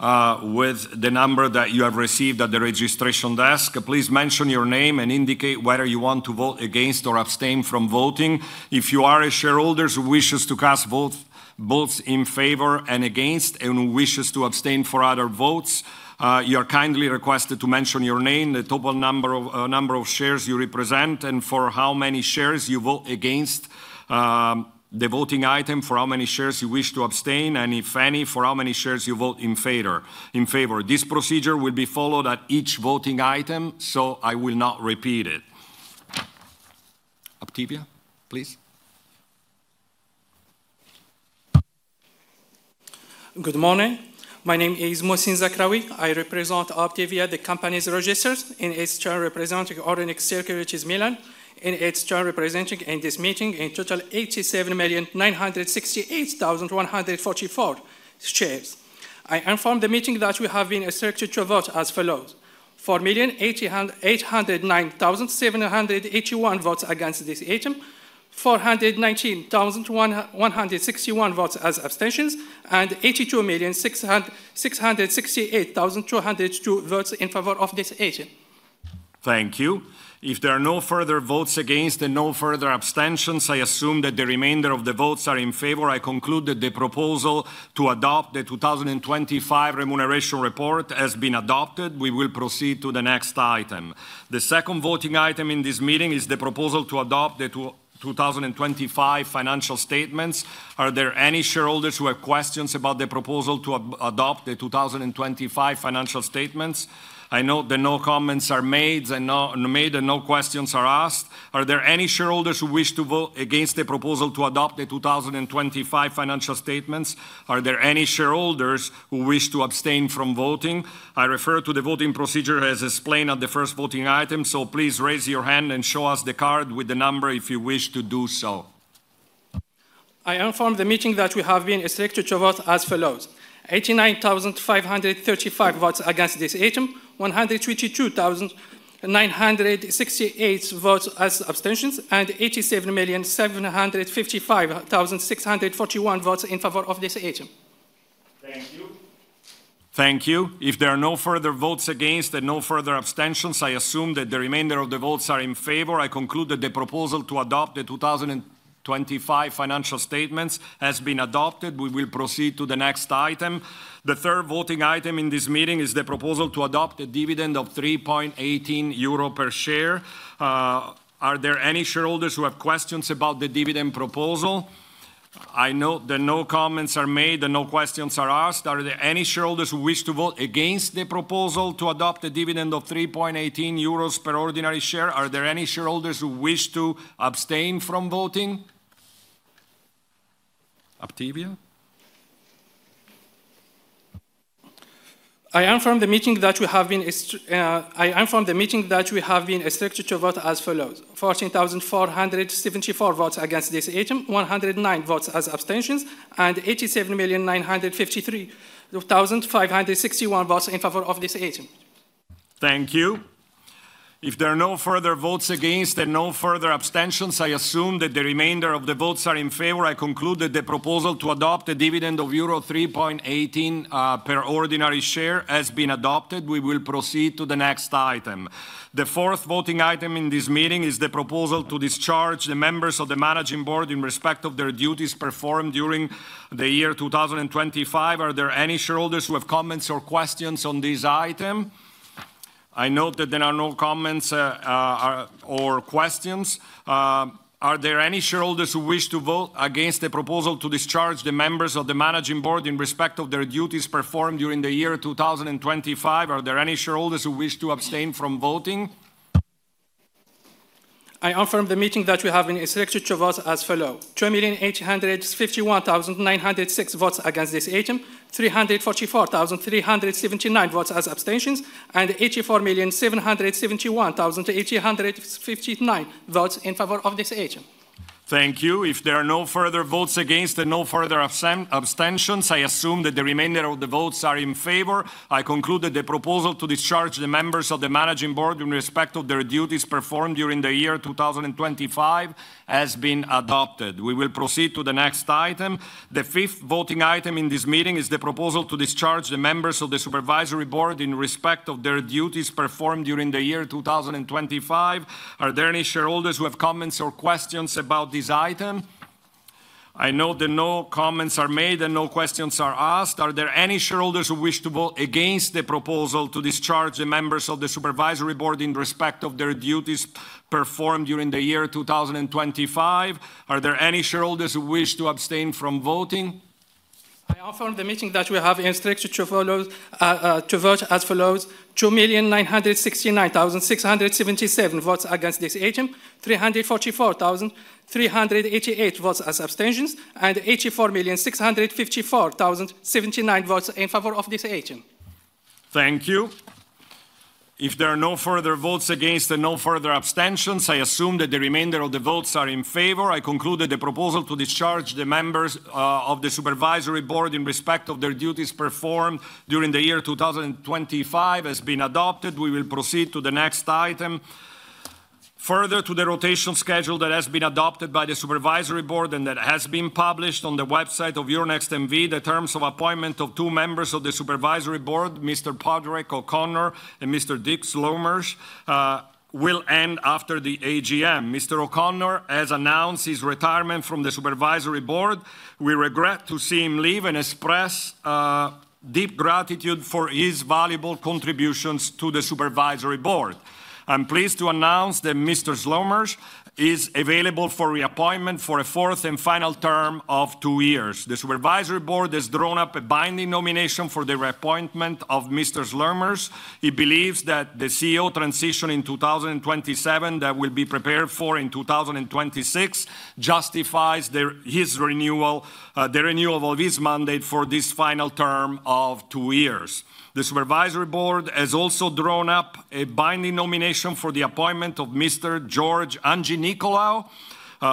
Speaker 1: with the number that you have received at the registration desk. Please mention your name and indicate whether you want to vote against or abstain from voting. If you are a shareholder who wishes to cast votes in favor and against and who wishes to abstain for other votes, you are kindly requested to mention your name, the total number of shares you represent, and for how many shares you vote against the voting item, for how many shares you wish to abstain, and, if any, for how many shares you vote in favor. This procedure will be followed at each voting item. I will not repeat it. Uptevia, please.
Speaker 5: Good morning. My name is Mohcine Zakraoui, I represent Uptevia, the company's registrar, and its Chair representative, (audio distortion) circulators Milan, and its chair representative in this meeting in total 87,968,144 shares. I inform the meeting that we have been instructed to vote as follows: 4,809,781 votes against this item, 419,161 votes as abstentions, and 82,668,202 votes in favor of this item.
Speaker 1: Thank you. If there are no further votes against and no further abstentions, I assume that the remainder of the votes are in favor. I conclude that the proposal to adopt the 2025 remuneration report has been adopted. We will proceed to the next item. The second voting item in this meeting is the proposal to adopt the 2025 financial statements. Are there any shareholders who have questions about the proposal to adopt the 2025 financial statements? I note that no comments are made and no questions are asked. Are there any shareholders who wish to vote against the proposal to adopt the 2025 financial statements? Are there any shareholders who wish to abstain from voting? I refer to the voting procedure as explained at the first voting item. Please raise your hand and show us the card with the number if you wish to do so.
Speaker 5: I inform the meeting that we have been instructed to vote as follows: 89,535 votes against this item, 132,968 votes as abstentions, and 87,755,641 votes in favor of this item.
Speaker 1: Thank you. If there are no further votes against and no further abstentions, I assume that the remainder of the votes are in favor. I conclude that the proposal to adopt the 2025 financial statements has been adopted. We will proceed to the next item. The third voting item in this meeting is the proposal to adopt a dividend of 3.18 euro per share. Are there any shareholders who have questions about the dividend proposal? I note that no comments are made and no questions are asked. Are there any shareholders who wish to vote against the proposal to adopt a dividend of 3.18 euros per ordinary share? Are there any shareholders who wish to abstain from voting? Uptevia?
Speaker 5: I inform the meeting that we have been instructed to vote as follows: 14,474 votes against this item, 109 votes as abstentions, and 87,953,561 votes in favor of this item.
Speaker 1: Thank you. If there are no further votes against and no further abstentions, I assume that the remainder of the votes are in favor. I conclude that the proposal to adopt a dividend of euro 3.18 per ordinary share has been adopted. We will proceed to the next item. The fourth voting item in this meeting is the proposal to discharge the members of the Managing Board in respect of their duties performed during the year 2025. Are there any shareholders who have comments or questions on this item? I note that there are no comments or questions. Are there any shareholders who wish to vote against the proposal to discharge the members of the Managing Board in respect of their duties performed during the year 2025? Are there any shareholders who wish to abstain from voting?
Speaker 5: I inform the meeting that we have been instructed to vote as follows: 2,851,906 votes against this item, 344,379 votes as abstentions, and 84,771,859 votes in favor of this item.
Speaker 1: Thank you. If there are no further votes against and no further abstentions, I assume that the remainder of the votes are in favor. I conclude that the proposal to discharge the members of the Managing Board in respect of their duties performed during the year 2025 has been adopted. We will proceed to the next item. The fifth voting item in this meeting is the proposal to discharge the members of the Supervisory Board in respect of their duties performed during the year 2025. Are there any shareholders who have comments or questions about this item? I note that no comments are made and no questions are asked. Are there any shareholders who wish to vote against the proposal to discharge the members of the Supervisory Board in respect of their duties performed during the year 2025? Are there any shareholders who wish to abstain from voting?
Speaker 5: I inform the meeting that we have been instructed to vote as follows: 2,969,677 votes against this item, 344,388 votes as abstentions, and 84,654,079 votes in favor of this item.
Speaker 1: Thank you. If there are no further votes against and no further abstentions, I assume that the remainder of the votes are in favor. I conclude that the proposal to discharge the members of the Supervisory Board in respect of their duties performed during the year 2025 has been adopted. We will proceed to the next item. Further, to the rotation schedule that has been adopted by the Supervisory Board and that has been published on the website of Euronext N.V., the terms of appointment of two members of the Supervisory Board, Mr. Padraic O'Connor and Mr. Dick Sluimers, will end after the AGM. Mr. O'Connor has announced his retirement from the Supervisory Board. We regret to see him leave and express deep gratitude for his valuable contributions to the Supervisory Board. I'm pleased to announce that Mr. Sluimers is available for reappointment for a fourth and final term of two years. The Supervisory Board has drawn up a binding nomination for the reappointment of Mr. Sluimers. He believes that the CEO transition in 2027 that will be prepared for in 2026, justifies his renewal of his mandate for this final term of two years. The Supervisory Board has also drawn up a binding nomination for the appointment of Mr. George Handjinicolaou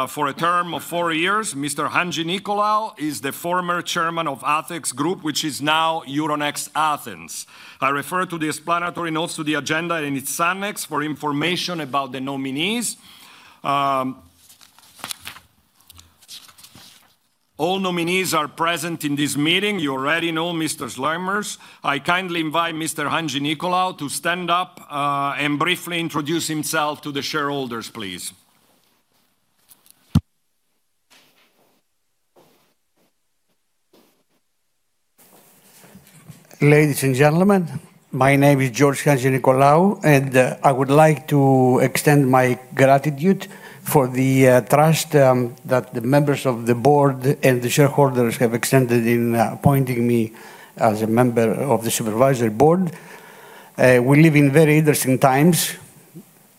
Speaker 1: for a term of four years. Mr. Handjinicolaou is the former chairman of ATHEX Group, which is now Euronext Athens. I refer to the explanatory notes to the agenda and its annex for information about the nominees. All nominees are present in this meeting. You already know Mr. Sluimers. I kindly invite Mr. Handjinicolaou to stand up and briefly introduce himself to the shareholders, please.
Speaker 6: Ladies and gentlemen, my name is George Handjinicolaou. I would like to extend my gratitude for the trust that the members of the board and the shareholders have extended in appointing me as a member of the Supervisory Board. We live in very interesting times.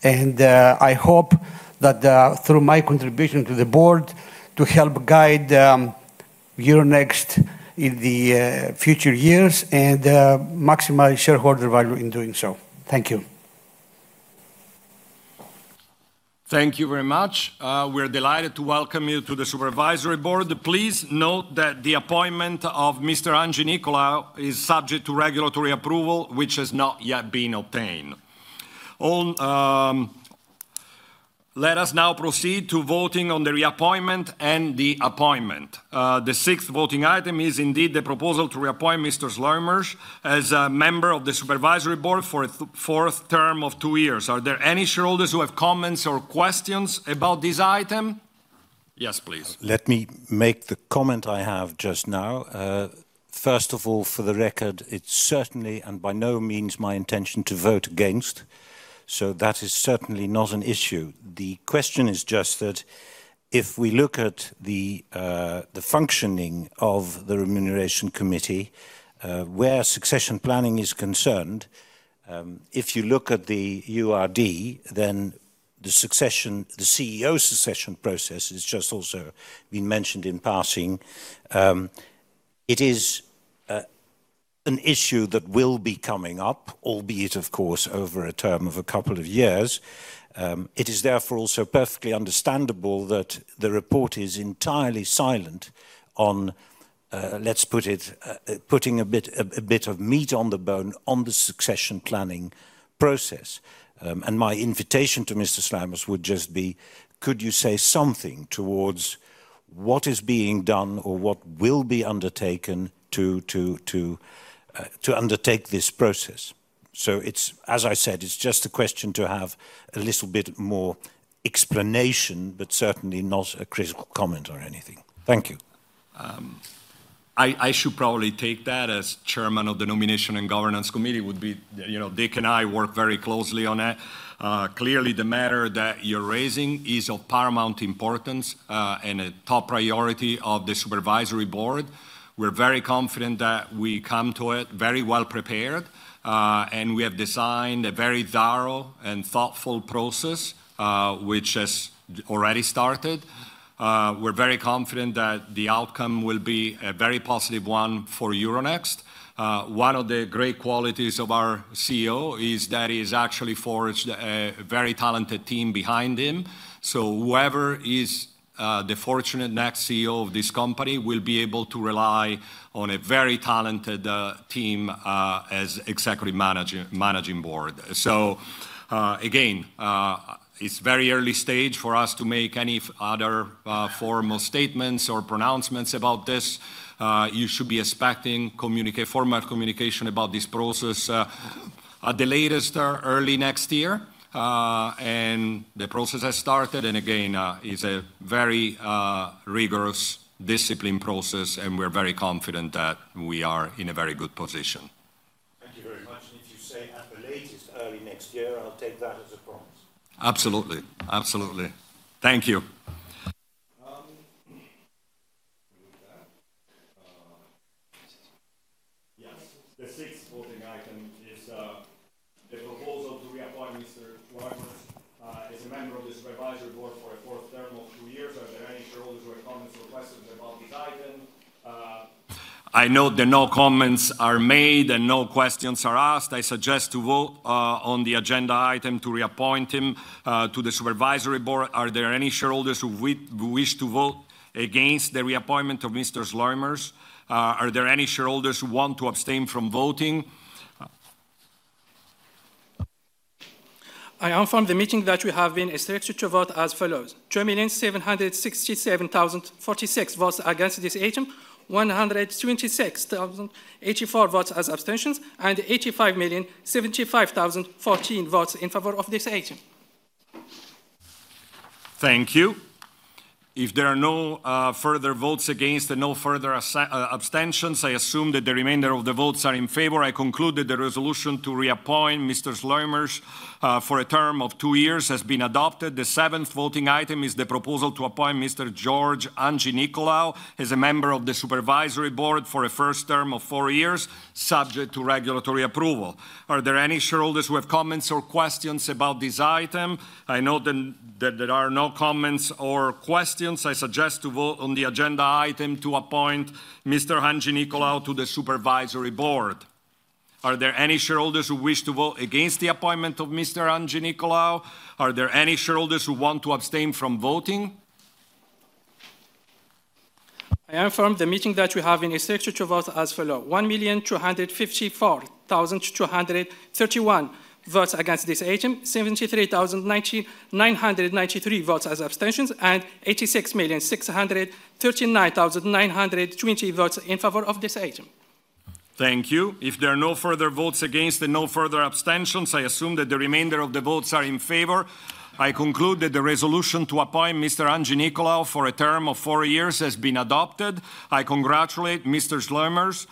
Speaker 6: I hope that through my contribution to the Board to help guide Euronext in the future years and maximize shareholder value in doing so. Thank you.
Speaker 1: Thank you very much. We are delighted to welcome you to the Supervisory Board. Please note that the appointment of Mr. Handjinicolaou is subject to regulatory approval, which has not yet been obtained. Let us now proceed to voting on the reappointment and the appointment. The sixth voting item is indeed the proposal to reappoint Mr. Sluimers as a member of the Supervisory Board for a fourth term of two years. Are there any shareholders who have comments or questions about this item? Yes, please.
Speaker 4: Let me make the comment I have just now. First of all, for the record, it's certainly and by no means my intention to vote against. That is certainly not an issue. The question is just that if we look at the functioning of the remuneration committee, where succession planning is concerned, if you look at the URD, then the succession the CEO succession process has just also been mentioned in passing. It is an issue that will be coming up, albeit of course over a term of a couple of years. It is therefore also perfectly understandable that the report is entirely silent on, let's put it, putting a bit of meat on the bone on the succession planning process. My invitation to Mr. Sluimers would just be, could you say something towards what is being done or what will be undertaken to undertake this process? It's, as I said, it's just a question to have a little bit more explanation, but certainly not a critical comment or anything. Thank you.
Speaker 1: I should probably take that as chairman of the nomination and governance committee would be Dick, and I work very closely on it. The matter that you're raising is of paramount importance and a top priority of the Supervisory Board. We're very confident that we come to it very well prepared. We have designed a very thorough and thoughtful process, which has already started. We're very confident that the outcome will be a very positive one for Euronext. One of the great qualities of our CEO is that he has actually forged a very talented team behind him. Whoever is the fortunate next CEO of this company will be able to rely on a very talented team as Executive Managing Board. Again, it's very early stage for us to make any other formal statements or pronouncements about this. You should be expecting formal communication about this process at the latest early next year. The process has started. Again, it's a very rigorous discipline process. We're very confident that we are in a very good position.
Speaker 4: Thank you very much. If you say at the latest early next year, I'll take that as a promise.
Speaker 1: Absolutely. Thank you. Yes? The sixth voting item is the proposal to reappoint Mr. Sluimers as a member of the Supervisory Board for a fourth term of two years. Are there any shareholders who have comments or questions about this item? I note that no comments are made and no questions are asked. I suggest to vote on the agenda item to reappoint him to the Supervisory Board. Are there any shareholders who wish to vote against the reappointment of Mr. Sluimers? Are there any shareholders who want to abstain from voting?
Speaker 5: I inform the meeting that we have been instructed to vote as follows: 2,767,046 votes against this item, 126,084 votes as abstentions, and 85,075,014 votes in favor of this item.
Speaker 1: Thank you. If there are no further votes against and no further abstentions, I assume that the remainder of the votes are in favor. I conclude that the resolution to reappoint Mr. Sluimers for a term of two years has been adopted. The seventh voting item is the proposal to appoint Mr. George Handjinicolaou as a member of the Supervisory Board for a first term of four years, subject to regulatory approval. Are there any shareholders who have comments or questions about this item? I note that there are no comments or questions. I suggest to vote on the agenda item to appoint Mr. Handjinicolaou to the Supervisory Board. Are there any shareholders who wish to vote against the appointment of Mr. Handjinicolaou? Are there any shareholders who want to abstain from voting?
Speaker 5: I inform the meeting that we have been instructed to vote as follows: 1,254,231 votes against this item, 73,993 votes as abstentions, and 86,639,920 votes in favor of this item.
Speaker 1: Thank you. If there are no further votes against and no further abstentions, I assume that the remainder of the votes are in favor. I conclude that the resolution to appoint Mr. George Handjinicolaou for a term of four years has been adopted. I congratulate Mr. Dick Sluimers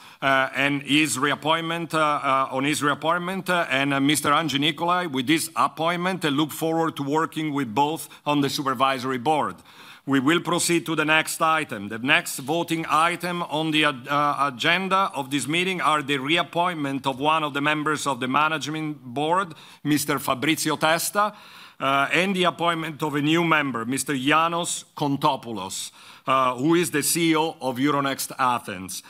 Speaker 1: on his reappointment and Mr. George Handjinicolaou with this appointment. I look forward to working with both on the Supervisory Board. We will proceed to the next item. The next voting item on the agenda of this meeting are the reappointment of one of the members of the Management Board, Mr. Fabrizio Testa, and the appointment of a new member, Mr. Yianos Kontopoulos, who is the CEO of Euronext Athens,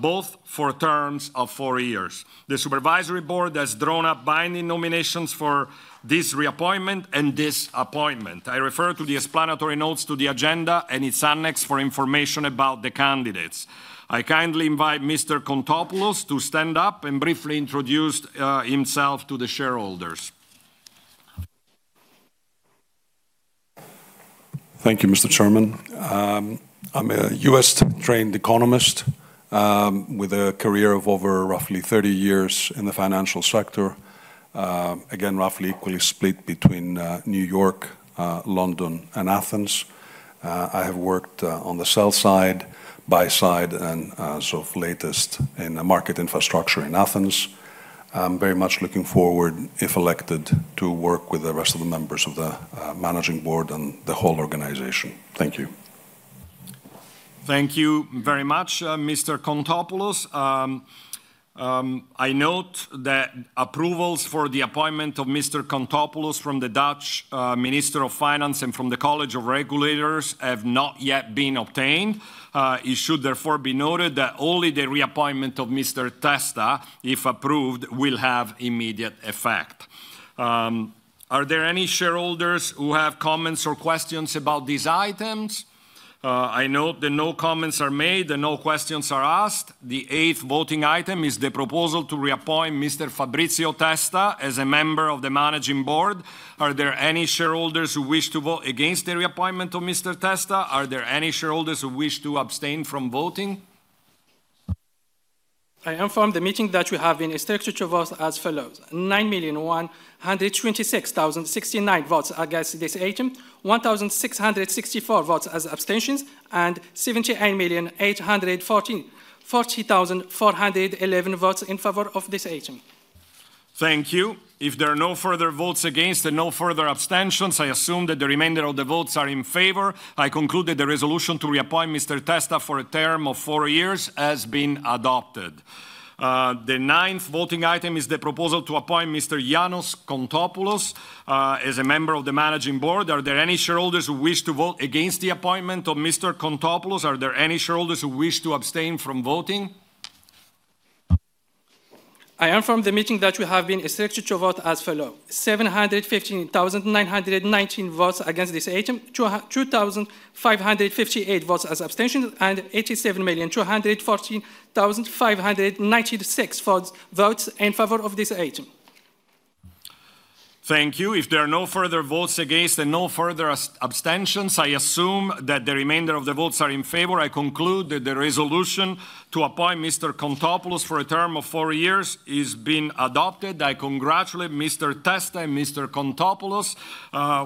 Speaker 1: both for terms of four years. The Supervisory Board has drawn up binding nominations for this reappointment and this appointment. I refer to the explanatory notes to the agenda and its annex for information about the candidates. I kindly invite Mr. Kontopoulos to stand up and briefly introduce himself to the shareholders.
Speaker 7: Thank you, Mr. Chairman. I'm a U.S.-trained economist with a career of over roughly 30 years in the financial sector, again, roughly equally split between New York, London, and Athens. So of latest in market infrastructure in Athens, I have worked on the sell side, buy side. I'm very much looking forward, if elected, to work with the rest of the members of the Managing Board and the whole organization. Thank you.
Speaker 1: Thank you very much, Mr. Kontopoulos. I note that approvals for the appointment of Mr. Kontopoulos from the Dutch Minister of Finance and from the College of Regulators have not yet been obtained. It should therefore be noted that only the reappointment of Mr. Testa, if approved, will have immediate effect. Are there any shareholders who have comments or questions about these items? I note that no comments are made and no questions are asked. The eighth voting item is the proposal to reappoint Mr. Fabrizio Testa as a member of the Managing Board. Are there any shareholders who wish to vote against the reappointment of Mr. Testa? Are there any shareholders who wish to abstain from voting?
Speaker 5: I inform the meeting that we have been instructed to vote as follows: 9,126,069 votes against this item, 1,664 votes as abstentions, and 79,840,411 votes in favor of this item.
Speaker 1: Thank you. If there are no further votes against and no further abstentions, I assume that the remainder of the votes are in favor. I conclude that the resolution to reappoint Mr. Testa for a term of four years has been adopted. The ninth voting item is the proposal to appoint Mr. Yianos Kontopoulos as a member of the Managing Board. Are there any shareholders who wish to vote against the appointment of Mr. Kontopoulos? Are there any shareholders who wish to abstain from voting?
Speaker 5: I inform the meeting that we have been instructed to vote as follows: 715,919 votes against this item, 2,558 votes as abstentions, and 87,214,596 votes in favor of this item.
Speaker 1: Thank you. If there are no further votes against and no further abstentions, I assume that the remainder of the votes are in favor. I conclude that the resolution to appoint Mr. Kontopoulos for a term of four years has been adopted. I congratulate Mr. Testa and Mr. Kontopoulos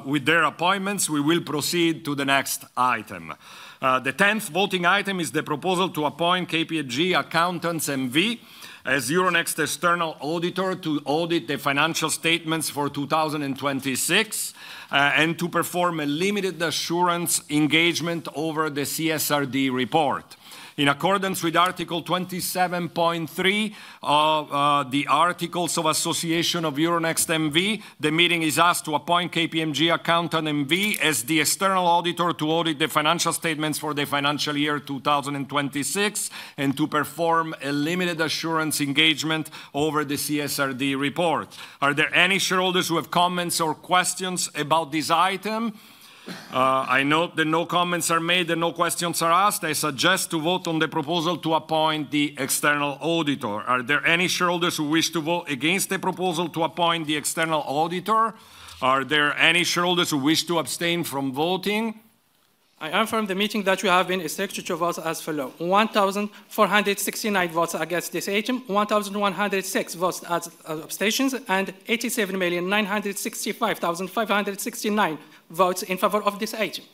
Speaker 1: with their appointments. We will proceed to the next item. The 10th voting item is the proposal to appoint KPMG Accountants N.V. as Euronext external auditor to audit the financial statements for 2026 and to perform a limited assurance engagement over the CSRD report. In accordance with Article 27.3 of the Articles of Association of Euronext N.V., the meeting is asked to appoint KPMG Accountants N.V. as the external auditor to audit the financial statements for the financial year 2026 and to perform a limited assurance engagement over the CSRD report. Are there any shareholders who have comments or questions about this item? I note that no comments are made and no questions are asked. I suggest to vote on the proposal to appoint the external auditor. Are there any shareholders who wish to vote against the proposal to appoint the external auditor? Are there any shareholders who wish to abstain from voting?
Speaker 5: I inform the meeting that we have been instructed to vote as follows: 1,469 votes against this item, 1,106 votes as abstentions, and 87,965,569 votes in favor of this item.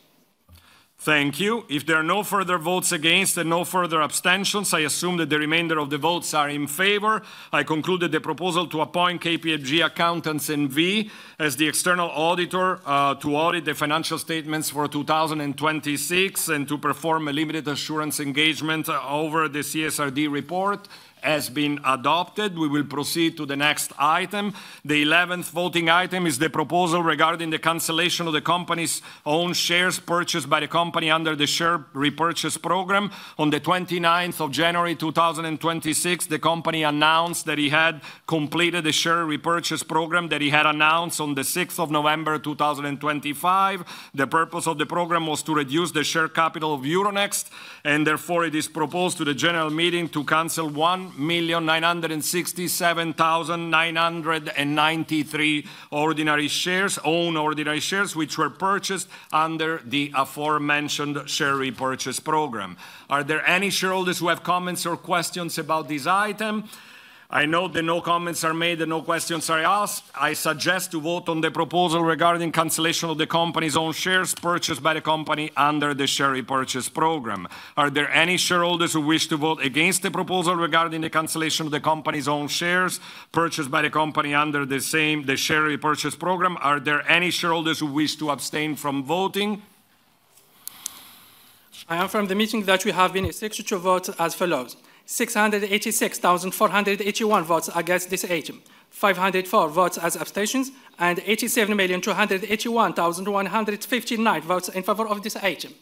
Speaker 1: Thank you. If there are no further votes against and no further abstentions, I assume that the remainder of the votes are in favor. I conclude that the proposal to appoint KPMG Accountants N.V. as the external auditor to audit the financial statements for 2026 and to perform a limited assurance engagement over the CSRD report has been adopted. We will proceed to the next item. The 11th voting item is the proposal regarding the cancellation of the company's own shares purchased by the company under the share repurchase program. On the 29th of January, 2026, the company announced that it had completed the share repurchase program that it had announced on the 6th of November, 2025. The purpose of the program was to reduce the share capital of Euronext. Therefore, it is proposed to the general meeting to cancel 1,967,993 own ordinary shares, which were purchased under the aforementioned share repurchase program. Are there any shareholders who have comments or questions about this item? I note that no comments are made and no questions are asked. I suggest to vote on the proposal regarding cancellation of the company's own shares purchased by the company under the share repurchase program. Are there any shareholders who wish to vote against the proposal regarding the cancellation of the company's own shares purchased by the company under the share repurchase program? Are there any shareholders who wish to abstain from voting?
Speaker 5: I inform the meeting that we have been instructed to vote as follows: 686,481 votes against this item, 504 votes as abstentions, and 87,281,159 votes in favor of this item.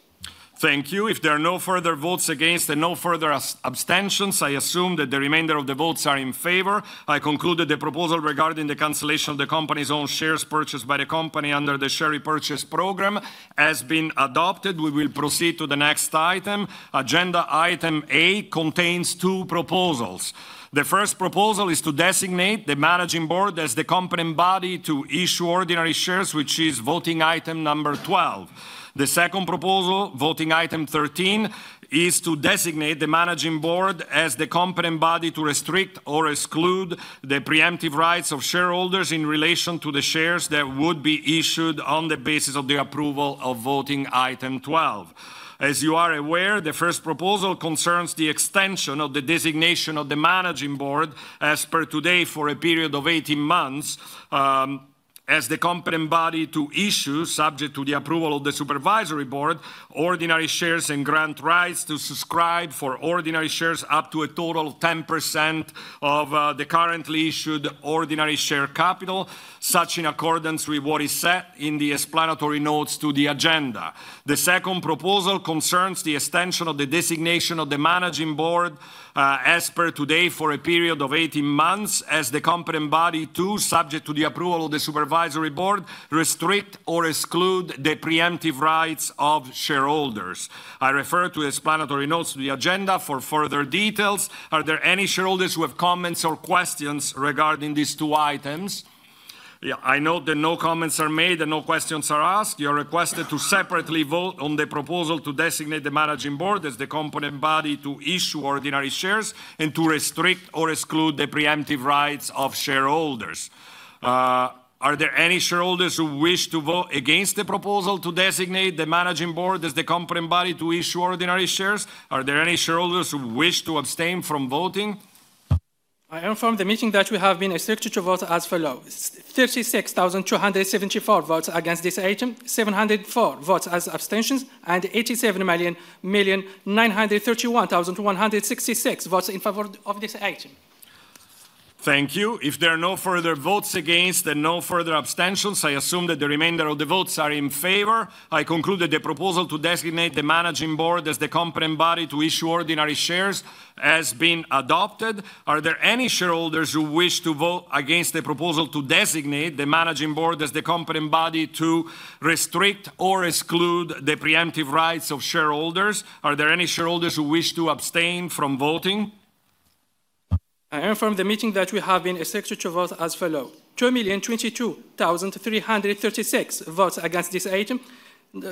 Speaker 1: Thank you. If there are no further votes against and no further abstentions, I assume that the remainder of the votes are in favor. I conclude that the proposal regarding the cancellation of the company's own shares purchased by the company under the share repurchase program has been adopted. We will proceed to the next item. Agenda item A contains two proposals. The first proposal is to designate the Managing Board as the competent body to issue ordinary shares, which is voting item number 12. The second proposal, voting item 13, is to designate the Managing Board as the competent body to restrict or exclude the preemptive rights of shareholders in relation to the shares that would be issued on the basis of the approval of voting item 12. As you are aware, the first proposal concerns the extension of the designation of the Managing Board as per today for a period of 18 months as the competent body to issue, subject to the approval of the Supervisory Board, ordinary shares and grant rights to subscribe for ordinary shares up to a total of 10% of the currently issued ordinary share capital, such in accordance with what is set in the explanatory notes to the agenda. The second proposal concerns the extension of the designation of the Managing Board as per today for a period of 18 months as the competent body to, subject to the approval of the Supervisory Board, restrict or exclude the preemptive rights of shareholders. I refer to the explanatory notes to the agenda. For further details, are there any shareholders who have comments or questions regarding these two items? Yeah, I note that no comments are made and no questions are asked. You are requested to separately vote on the proposal to designate the Managing Board as the competent body to issue ordinary shares and to restrict or exclude the preemptive rights of shareholders. Are there any shareholders who wish to vote against the proposal to designate the Managing Board as the competent body to issue ordinary shares? Are there any shareholders who wish to abstain from voting?
Speaker 5: I inform the meeting that we have been instructed to vote as follows: 36,274 votes against this item, 704 votes as abstentions, and 87,931,166 votes in favor of this item.
Speaker 1: Thank you. If there are no further votes against and no further abstentions, I assume that the remainder of the votes are in favor. I conclude that the proposal to designate the Managing Board as the competent body to issue ordinary shares has been adopted. Are there any shareholders who wish to vote against the proposal to designate the Managing Board as the competent body to restrict or exclude the preemptive rights of shareholders? Are there any shareholders who wish to abstain from voting?
Speaker 5: I inform the meeting that we have been instructed to vote as follows: 2,022,336 votes against this item,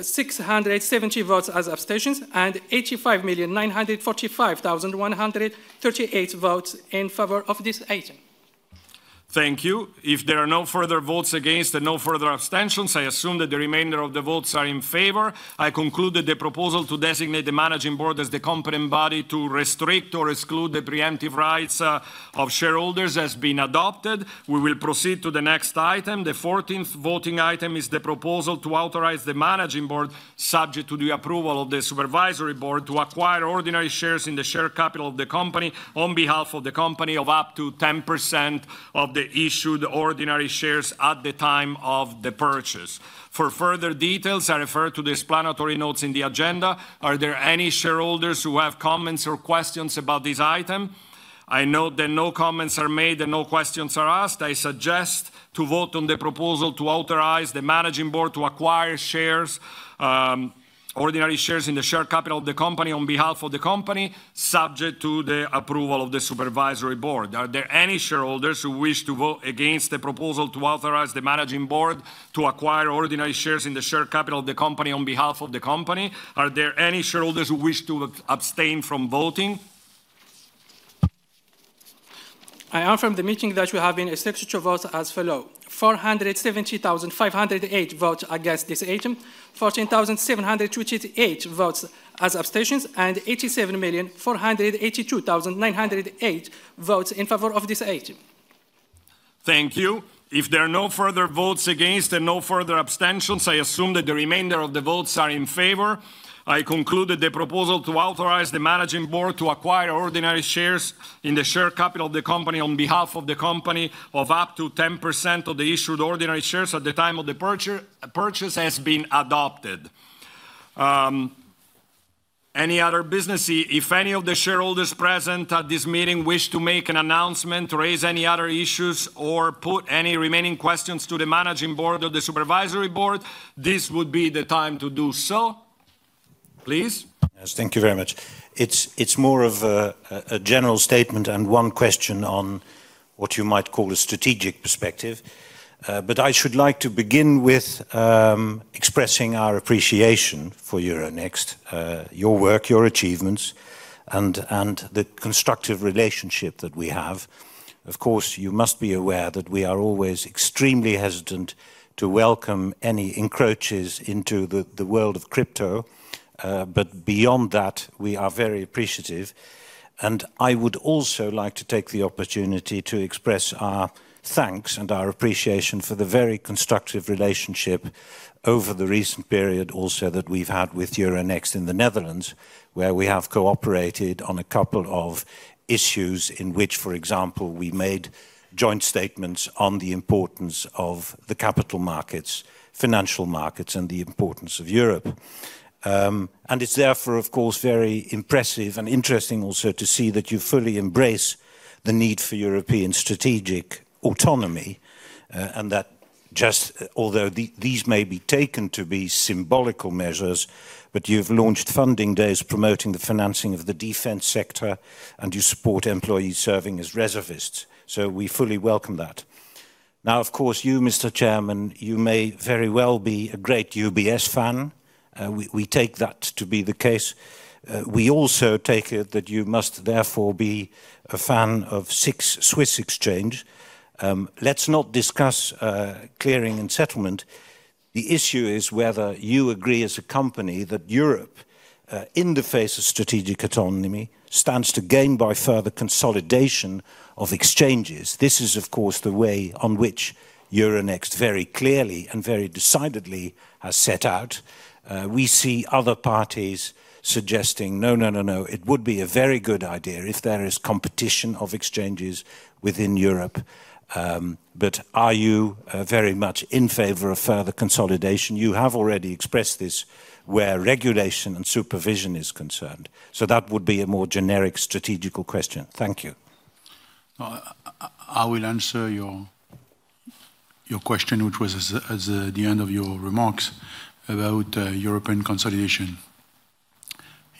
Speaker 5: 670 votes as abstentions, and 85,945,138 votes in favor of this item.
Speaker 1: Thank you. If there are no further votes against and no further abstentions, I assume that the remainder of the votes are in favor. I conclude that the proposal to designate the Managing Board as the competent body to restrict or exclude the preemptive rights of shareholders has been adopted. We will proceed to the next item. The 14th voting item is the proposal to authorize the Managing Board, subject to the approval of the Supervisory Board, to acquire ordinary shares in the share capital of the company on behalf of the company of up to 10% of the issued ordinary shares at the time of the purchase. For further details, I refer to the explanatory notes in the agenda. Are there any shareholders who have comments or questions about this item? I note that no comments are made and no questions are asked. I suggest to vote on the proposal to authorize the Managing Board to acquire ordinary shares in the share capital of the company on behalf of the company, subject to the approval of the Supervisory Board. Are there any shareholders who wish to vote against the proposal to authorize the Managing Board to acquire ordinary shares in the share capital of the company on behalf of the company? Are there any shareholders who wish to abstain from voting?
Speaker 5: I inform the meeting that we have been instructed to vote as follows: 470,508 votes against this item, 14,728 votes as abstentions, and 87,482,908 votes in favor of this item.
Speaker 1: Thank you. If there are no further votes against and no further abstentions, I assume that the remainder of the votes are in favor. I conclude that the proposal to authorize the Managing Board to acquire ordinary shares in the share capital of the company on behalf of the company of up to 10% of the issued ordinary shares at the time of the purchase, has been adopted. Any other business? If any of the shareholders present at this meeting wish to make an announcement, raise any other issues, or put any remaining questions to the Managing Board or the Supervisory Board, this would be the time to do so. Please.
Speaker 4: Yes. Thank you very much. It's more of a general statement and one question on what you might call a strategic perspective. I should like to begin with expressing our appreciation for Euronext, your work, your achievements, and the constructive relationship that we have. Of course, you must be aware that we are always extremely hesitant to welcome any encroaches into the world of crypto. Beyond that, we are very appreciative. I would also like to take the opportunity to express our thanks and our appreciation for the very constructive relationship over the recent period, also that we've had with Euronext in the Netherlands, where we have cooperated on a couple of issues in which, for example, we made joint statements on the importance of the capital markets, financial markets, and the importance of Europe. It's therefore, of course, very impressive and interesting also to see that you fully embrace the need for European strategic autonomy and that just although these may be taken to be symbolical measures, but you've launched funding days promoting the financing of the defense sector, and you support employees serving as reservists. We fully welcome that. Of course, you, Mr. Chairman, you may very well be a great UBS fan. We take that to be the case. We also take it that you must therefore be a fan of SIX Swiss Exchange. Let's not discuss clearing and settlement. The issue is whether you agree as a company that Europe, in the face of strategic autonomy, stands to gain by further consolidation of exchanges. This is, of course, the way on which Euronext very clearly and very decidedly has set out. We see other parties suggesting, "No, no, no. It would be a very good idea if there is competition of exchanges within Europe." Are you very much in favor of further consolidation? You have already expressed this where regulation and supervision is concerned. That would be a more generic strategical question. Thank you.
Speaker 2: I will answer your question, which was at the end of your remarks, about European consolidation.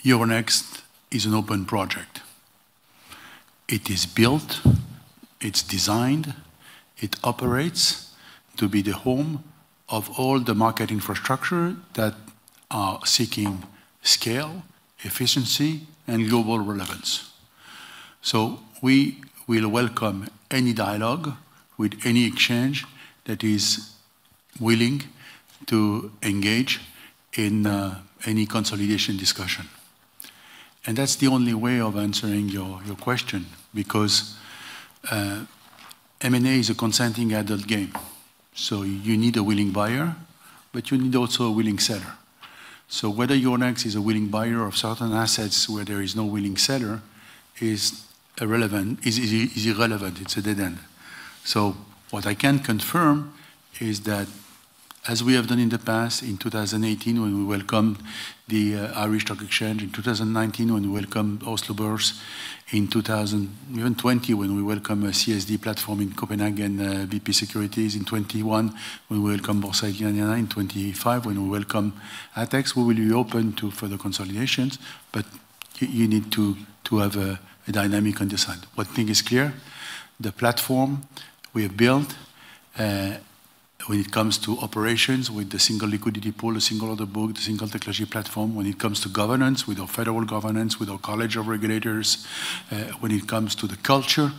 Speaker 2: Euronext is an open project. It is built. It's designed. It operates to be the home of all the market infrastructure that are seeking scale, efficiency, and global relevance. We will welcome any dialogue with any exchange that is willing to engage in any consolidation discussion. That's the only way of answering your question because M&A is a consenting adult game. You need a willing buyer, but you need also a willing seller. Whether Euronext is a willing buyer of certain assets where there is no willing seller is irrelevant. It's a dead end. What I can confirm is that, as we have done in the past, in 2018, when we welcomed the Irish Stock Exchange, in 2019, when we welcomed Oslo Børs, in 2020, when we welcomed a CSD platform in Copenhagen VP Securities, in 2021, when we welcomed Ljubljanska borza, in 2025, when we welcomed ATHEX, we will be open to further consolidations. You need to have a dynamic on this side. One thing is clear. The platform we have built, when it comes to operations with the single liquidity pool, the single order book, the single technology platform, when it comes to governance with our federal governance, with our College of Regulators, when it comes to the culture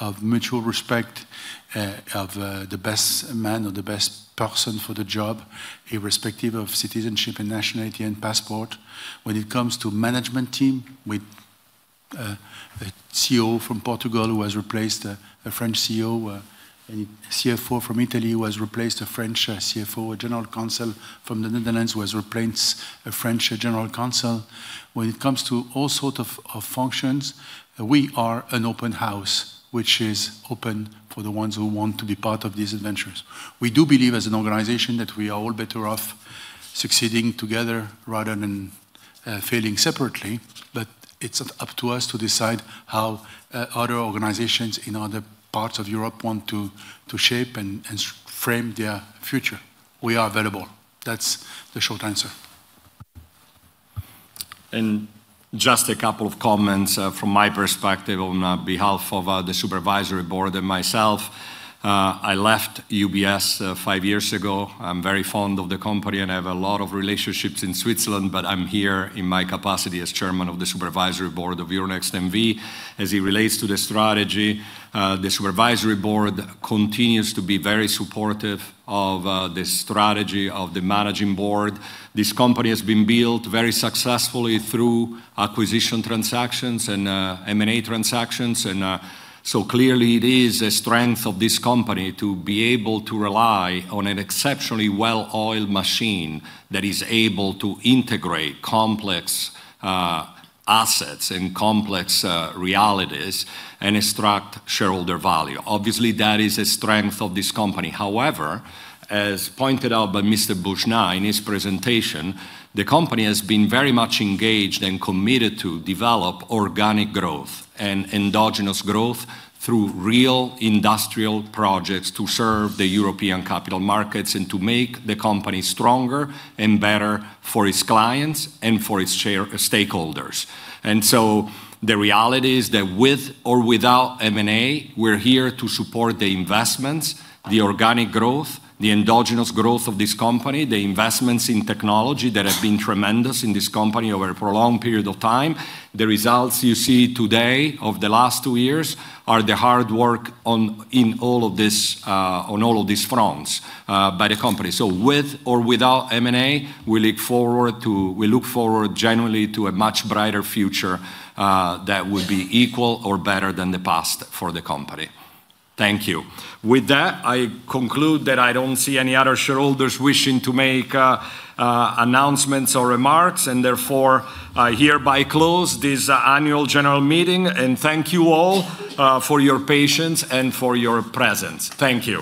Speaker 2: of mutual respect of the best man or the best person for the job, irrespective of citizenship and nationality and passport, when it comes to management team with a CEO from Portugal who has replaced a French CEO, a CFO from Italy who has replaced a French CFO, a General Counsel from the Netherlands who has replaced a French General Counsel. When it comes to all sorts of functions, we are an open house, which is open for the ones who want to be part of these adventures. We do believe, as an organization, that we are all better off succeeding together rather than failing separately. It's up to us to decide how other organizations in other parts of Europe want to shape and frame their future. We are available. That's the short answer.
Speaker 1: Just a couple of comments from my perspective on behalf of the Supervisory Board and myself. I left UBS five years ago. I'm very fond of the company, and I have a lot of relationships in Switzerland. I'm here in my capacity as Chairman of the Supervisory Board of Euronext N.V.. As it relates to the strategy, the Supervisory Board continues to be very supportive of the strategy of the Managing Board. This company has been built very successfully through acquisition transactions and M&A transactions. Clearly, it is a strength of this company to be able to rely on an exceptionally well-oiled machine that is able to integrate complex assets and complex realities and extract shareholder value. Obviously, that is a strength of this company. However, as pointed out by Mr. Boujnah in his presentation, the company has been very much engaged and committed to develop organic growth and endogenous growth through real industrial projects to serve the European capital markets and to make the company stronger and better for its clients and for its stakeholders. The reality is that with or without M&A, we're here to support the investments, the organic growth, the endogenous growth of this company, the investments in technology that have been tremendous in this company over a prolonged period of time. The results you see today of the last two years are the hard work on all of these fronts by the company. With or without M&A, we look forward genuinely to a much brighter future that would be equal or better than the past for the company. Thank you. With that, I conclude that I don't see any other shareholders wishing to make announcements or remarks. Therefore, I hereby close this Annual General Meeting. Thank you all for your patience and for your presence. Thank you.